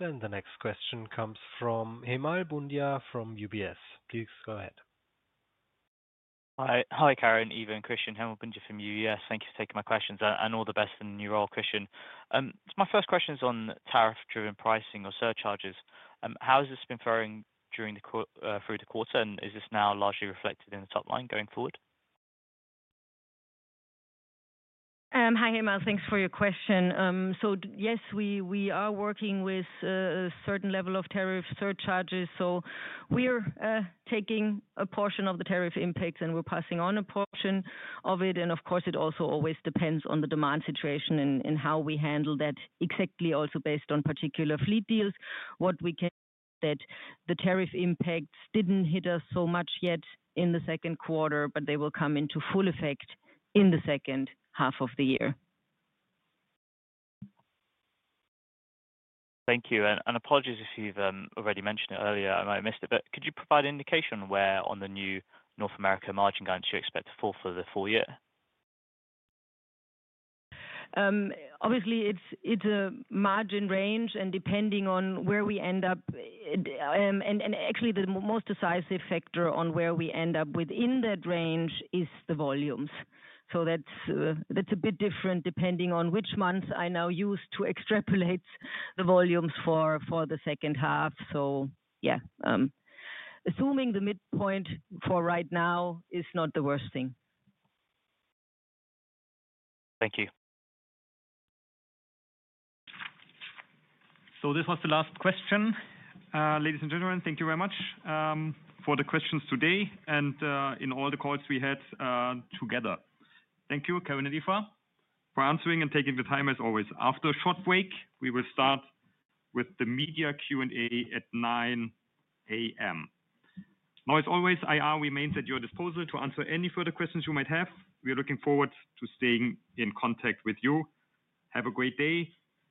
The next question comes from Hemal Bhundia from UBS. Please go ahead. Hi Karin, Eva and Christian, Hemal Bhundia from UBS. Thank you for taking my questions and all the best in your role. Christian, my first question is on tariff driven pricing or surcharges. How has this been far in through the quarter and is this now largely reflected in the top line going forward? Hi Hemal, thanks for your question. Yes, we are working with a certain level of tariff surcharges. We are taking a portion of the tariff impacts and we're passing on a portion of it. Of course, it also always depends on the demand situation and how we handle that. Exactly, also based on particular fleet deals, the tariff impacts didn't hit us so much yet in the second quarter, but they will come into full effect in the second half of the year. Thank you and apologies if you've already mentioned it earlier, I might have missed it. Could you provide indication where on the new North America margin guidance you expect to fall for the full year? Obviously, it's a margin range, and depending on where we end up, actually the most decisive factor on where we end up within that range is the volumes. That's a bit different depending on which months I now use to extrapolate the volumes for the second half. Assuming the midpoint for right now is not the worst thing. Thank you. This was the last question. Ladies and gentlemen, thank you very much for the questions today and in all the calls we had together. Thank you, Karin Rådström, for answering and taking the time. As always, after a short break, we will start with the media Q and A at 9:00 A.M. As always, IR remains at your disposal to answer any further questions you might have. We are looking forward to staying in contact with you. Have a great day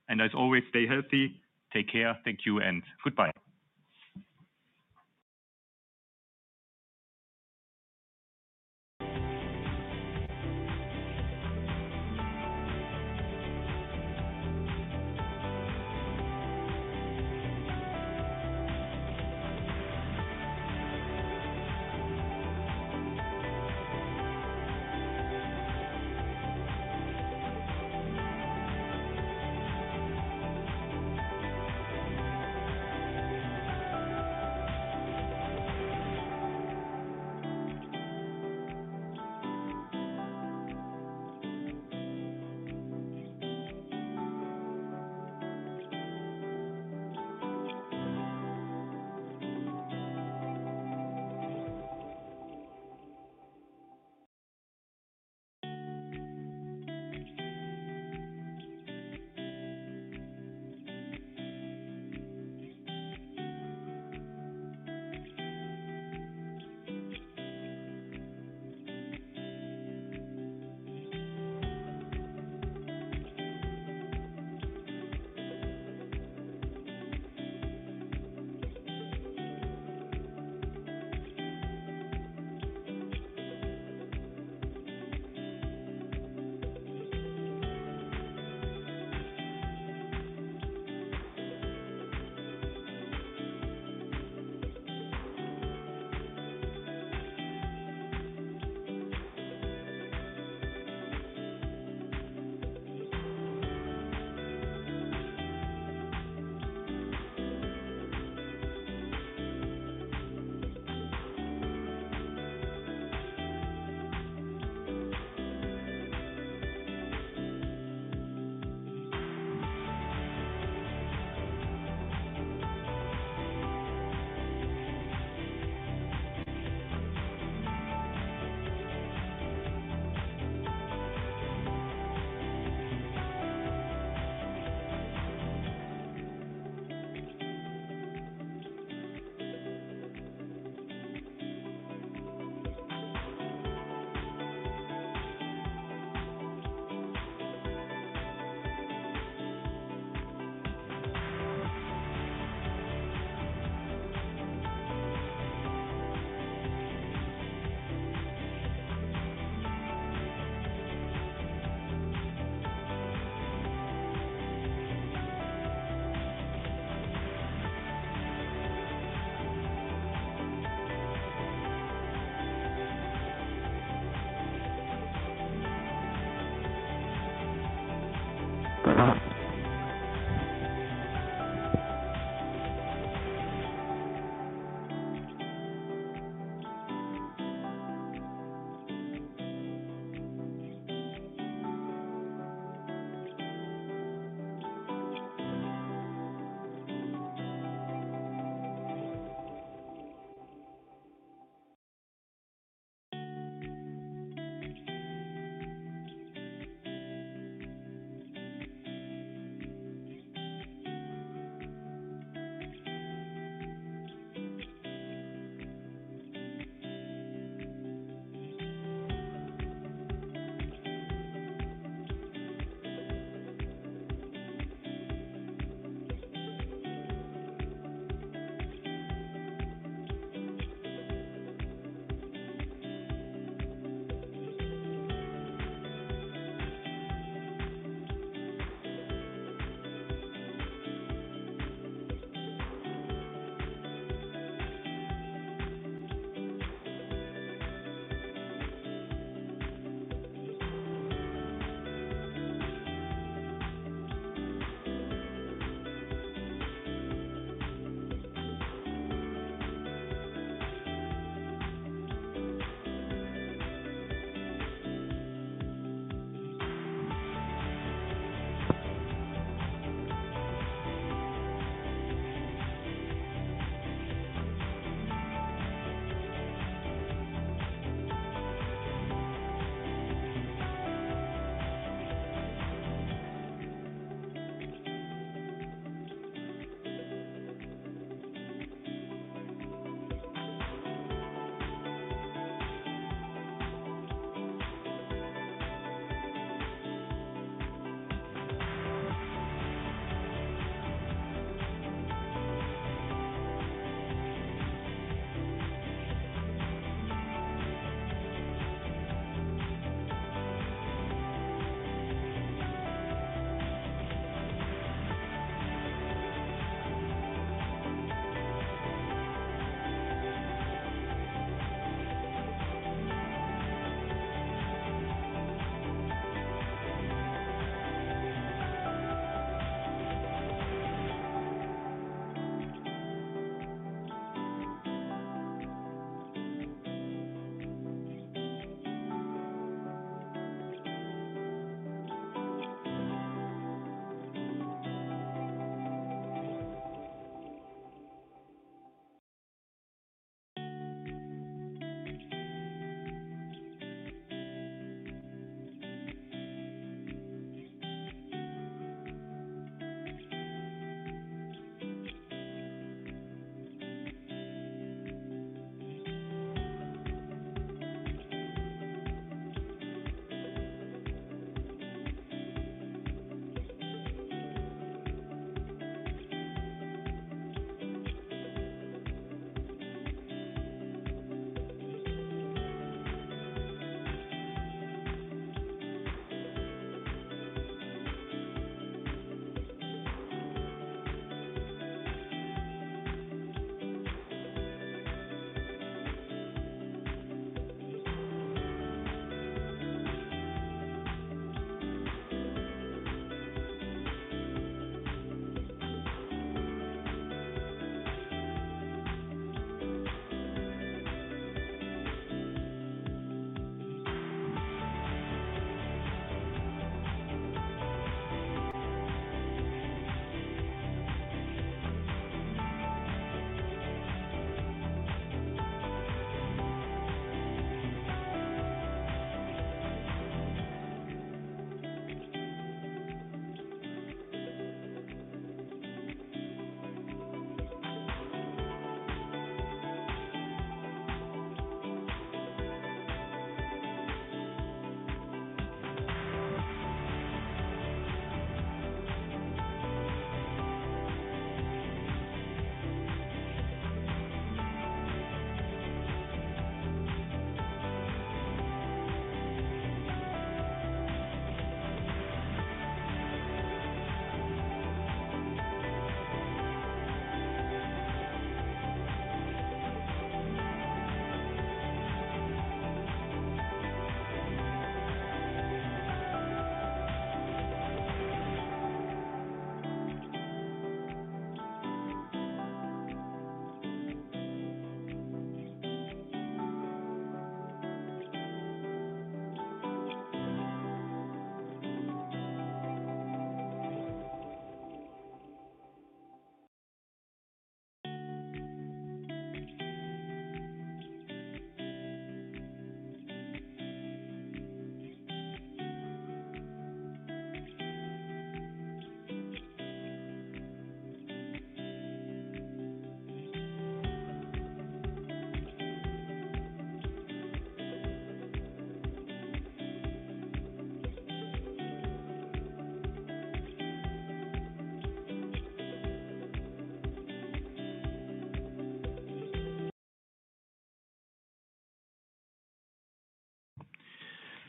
and as always, stay healthy. Take care. Thank you and goodbye.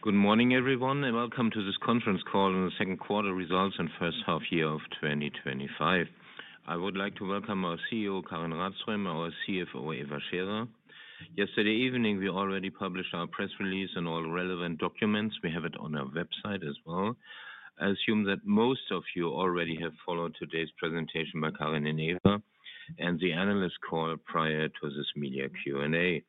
Good morning everyone and welcome to this conference call on the second quarter results and first half year of 2025. I would like to welcome our CEO, Karin Rådström, and our CFO, Eva Scherer. Yesterday evening we already published our press release and all relevant documents. We have it on our website as well. I assume that most of you already have followed today's presentation by Karin and the analyst call prior to this media Q and A.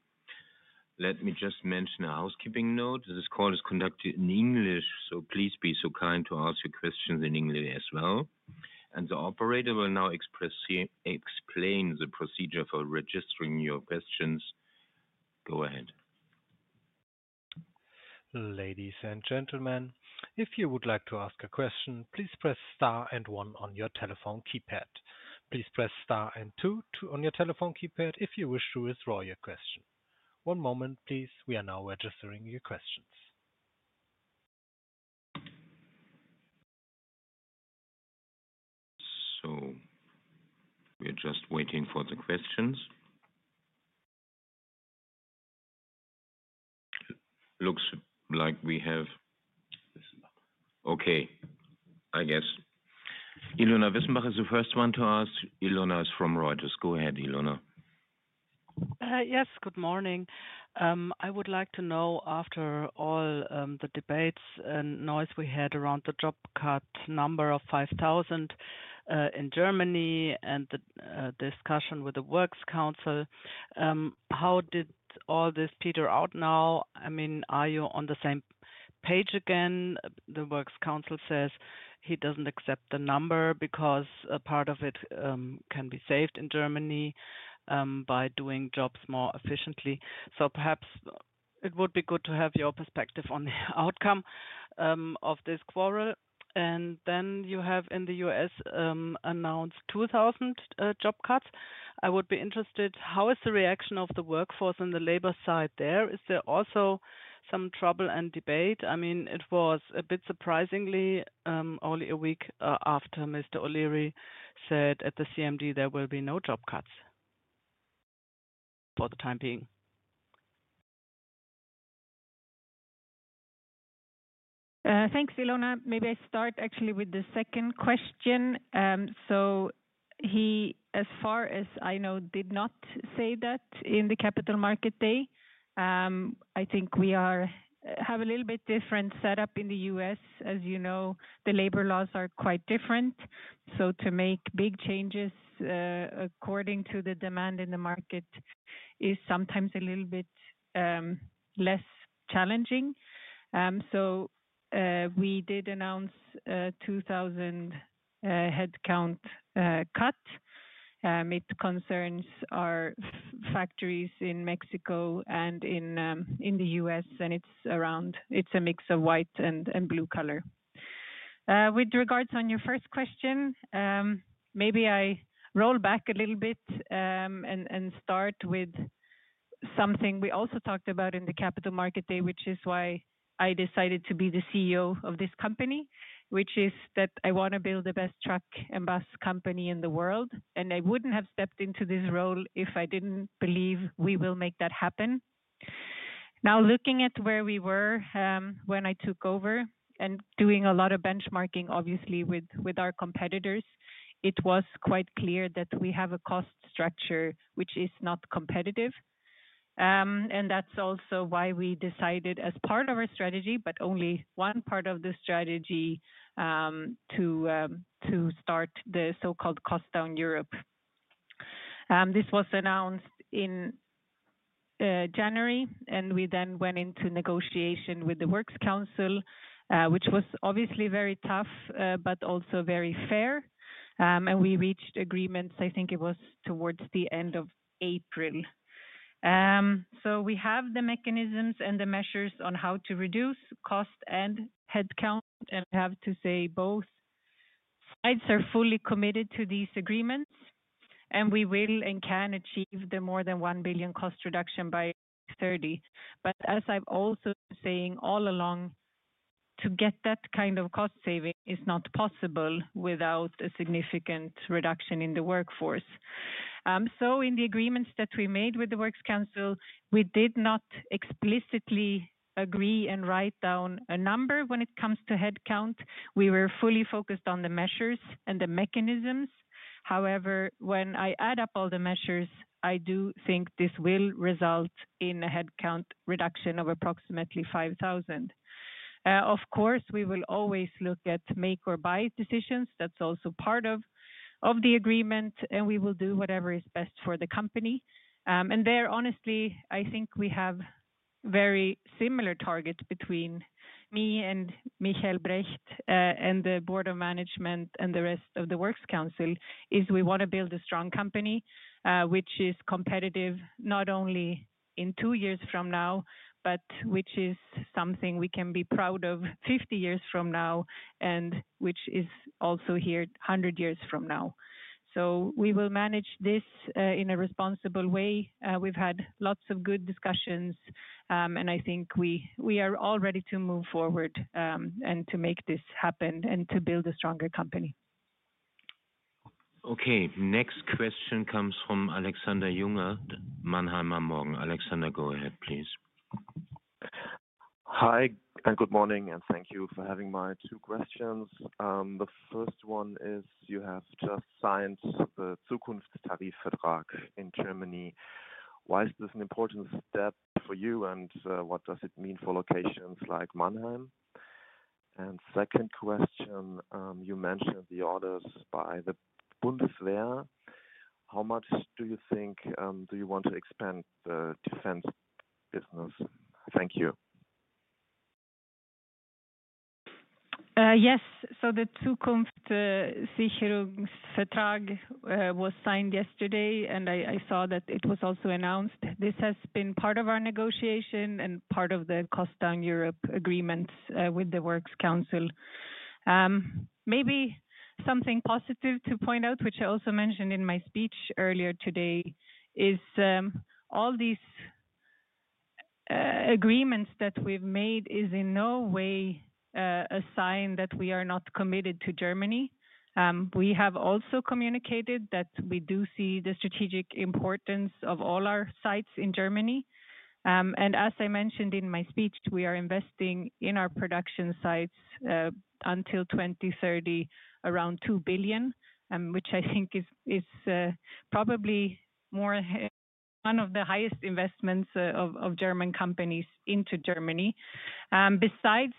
Let me just mention a housekeeping note. This call is conducted in English, so please be so kind to ask your questions in English as well. The operator will now explain the procedure for registering your questions. Go ahead. Ladies and gentlemen, if you would like to ask a question, please press * and 1 on your telephone keypad. Please press * and 2 on your telephone keypad if you wish to withdraw your question. One moment please. We are now registering your questions. We are just waiting for the questions. Looks like we have. I guess Ilona Wissenbach is the first one to ask. Ilona is from Reuters. Go ahead, Ilona. Yes, good morning. I would like to know, after all the debates and noise we had around the job cut number of 5,000 in Germany and the discussion with the works council, how did all this peter out now? I mean, are you on the same page again? The works council says he doesn't accept the number because part of it can be saved in Germany by doing jobs more efficiently. Perhaps it would be good to. Have your perspective on the outcome of this quarrel. You have in the U.S. announced 2,000 job cuts. I would be interested, how is the reaction of the workforce on the labor side there? Is there also some trouble and debate? I mean, it was a bit surprising, only a week after Mr. O'Leary said at the CMD there will be. No job cuts for the time being. Thanks, Ilona. Maybe I start actually with the second question. As far as I know, he did not say that. In the capital market day, I think we have a little bit different setup in the U.S. As you know, the labor laws are quite different. To make big changes according to the demand in the market is sometimes a little bit less challenging. We did announce 2,000 headcount cut. It concerns our factories in Mexico and in the U.S. and it's around, it's a mix of white and blue collar. With regards to your first question, maybe I roll back a little bit and start with something we also talked about in the capital market day, which is why I decided to be the CEO of this company, which is that I want to build the best truck and bus company in the world. I wouldn't have stepped into this role if I didn't believe we will make that happen. Now, looking at where we were when I took over and doing a lot of benchmarking, obviously with our competitors, it was quite clear that we have a cost structure which is not competitive. That's also why we decided as part of our strategy, but only one part of the strategy, to start the so-called Cost Down Euro. This was announced in January and we then went into negotiation with the Works Council, which was obviously very tough but also very fair. We reached agreements, I think it was towards the end of April. We have the mechanisms and the measures on how to reduce cost and headcount. I have to say both sides are fully committed to these agreements and we will and can achieve the more than $1 billion cost reduction by 2030. As I've also seen all along, to get that kind of cost saving is not possible without a significant reduction in the workforce. In the agreements that we made with the Works Council, we did not explicitly agree and write down a number. When it comes to headcount, we were fully focused on the measures and the mechanisms. However, when I add up all the measures, I do think this will result in a headcount reduction of approximately 5,000. Of course, we will always look at make or buy decisions. That's also part of the agreement and we will do whatever is best for the company. Honestly, I think we have very similar targets between me and Michael Brecht and the Board of Management and the rest of the Works Council. We want to build a strong company which is competitive not only in two years from now, but which is something we can be proud of 50 years from now and which is also here 100 years from now. We will manage this in a responsible way. We've had lots of good discussions, and I think we are all ready to move forward and to make this happen and to build a stronger company. Okay, next question comes from Alexander Jones, Mannheim. Alexander, go ahead, please. Hi and good morning and thank you for having my two questions. The first one is you have just signed the Zukunft Tarifvertrag in Germany. Why is this an important step for you? What does it mean for locations like Mannheim? Second question, you mentioned the orders by the Bundeswehr. How much do you think do you want to expand defense business? Thank you. Yes, so the Zukunft Sicherung Vertrag was signed yesterday and I saw that it was also announced. This has been part of our negotiation and part of the Cost Down Euro agreements with the Works Council. Maybe something positive to point out, which I also mentioned in my speech earlier today, is all these agreements that we've made is in no way a sign that we are not committed to Germany. We have also communicated that we do see the strategic importance of all our sites in Germany. As I mentioned in my speech, we are investing in our production sites until 2030, around 2 billion, which I think is probably one of the highest investments of German companies into Germany. Besides,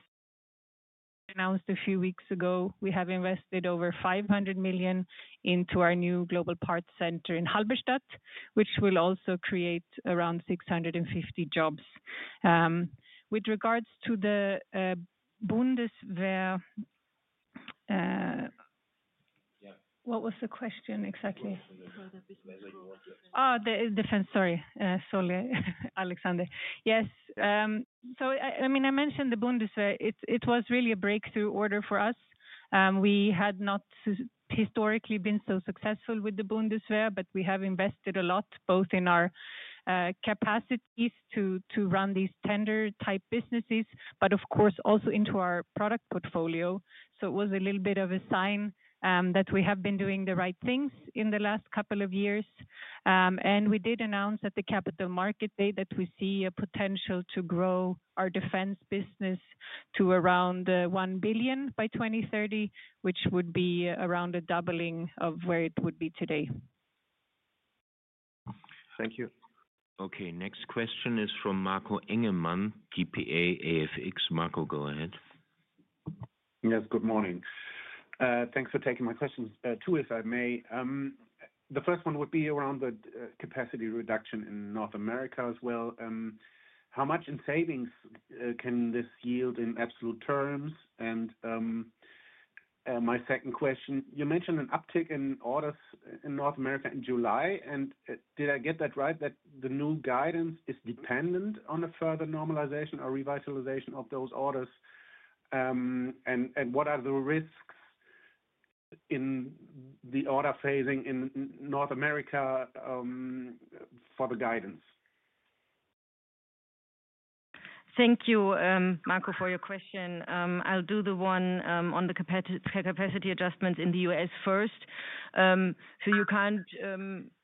announced a few weeks ago, we have invested over 500 million into our new Global Parts Center in Halberstadt, which will also create around 650 jobs with regards to the Bundeswehr. What was the question exactly? Oh, the defense. Sorry. Yes, I mentioned the Bundeswehr. It was really a breakthrough order for us. We had not historically been so successful with the Bundeswehr, but we have invested a lot, both in our capacities to run these tender type businesses, but of course also into our product portfolio. It was a little bit of a sign that we have been doing the right things in the last couple of years. We did announce at the Capital Market Day that we see a potential to grow our defense business to around 1 billion by 2030, which would be around a doubling of where it would be today. Thank you. Okay, next question is from Marco Engemann, DPA, AFX. Marco, go ahead. Yes, good morning. Thanks for taking my questions. Two, if I may. The first one would be around the capacity reduction in North America as well. How much in savings can this yield in absolute terms? My second question, you mentioned an uptick in orders in North America in July. Did I get that right, that the new guidance is dependent on a further normalization or revitalization of those orders? What are the risks in the order phasing in North America for the guidance? Thank you, Marco, for your question. I'll do the one on the capacity adjustments in the U.S. first. You can't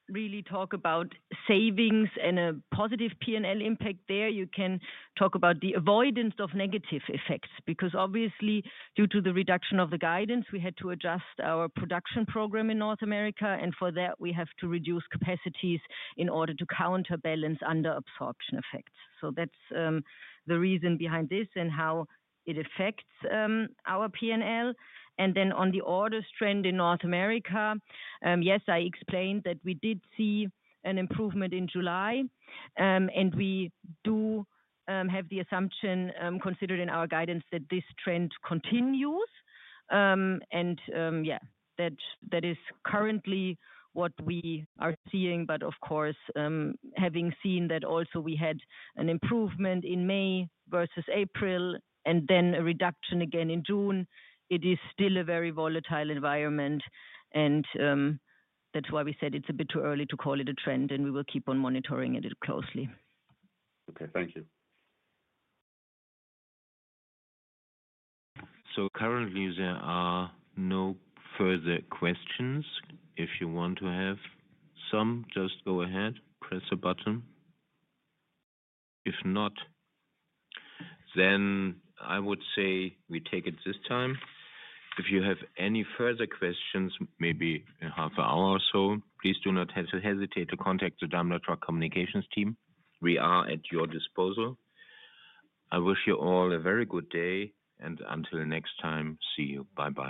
really talk about savings and a positive P&L impact there. You can talk about the avoidance of negative effects because, obviously, due to the reduction of the guidance, we had to adjust our production program in North America, and for that, we have to reduce capacities in order to counter balance under-absorption effects. That's the reason behind this and how it affects our P&L. On the orders trend in North America, I explained that we did see an improvement in July, and we do have the assumption considered in our guidance that this trend continues. That is currently what we are seeing. Of course, having seen that, also, we had an improvement in May versus April and then a reduction again in June. It is still a very volatile environment, and that's why we said it's a bit too early to call it a trend, and we will keep on monitoring it closely. Okay, thank you. Currently there are no further questions. If you want to have some, just go ahead, press a button. If not, I would say we take it this time. If you have any further questions, maybe half an hour or so, please do not hesitate to contact the Daimler Truck communications team, we are at your disposal. I wish you all a very good day and until next time, see you. Bye bye.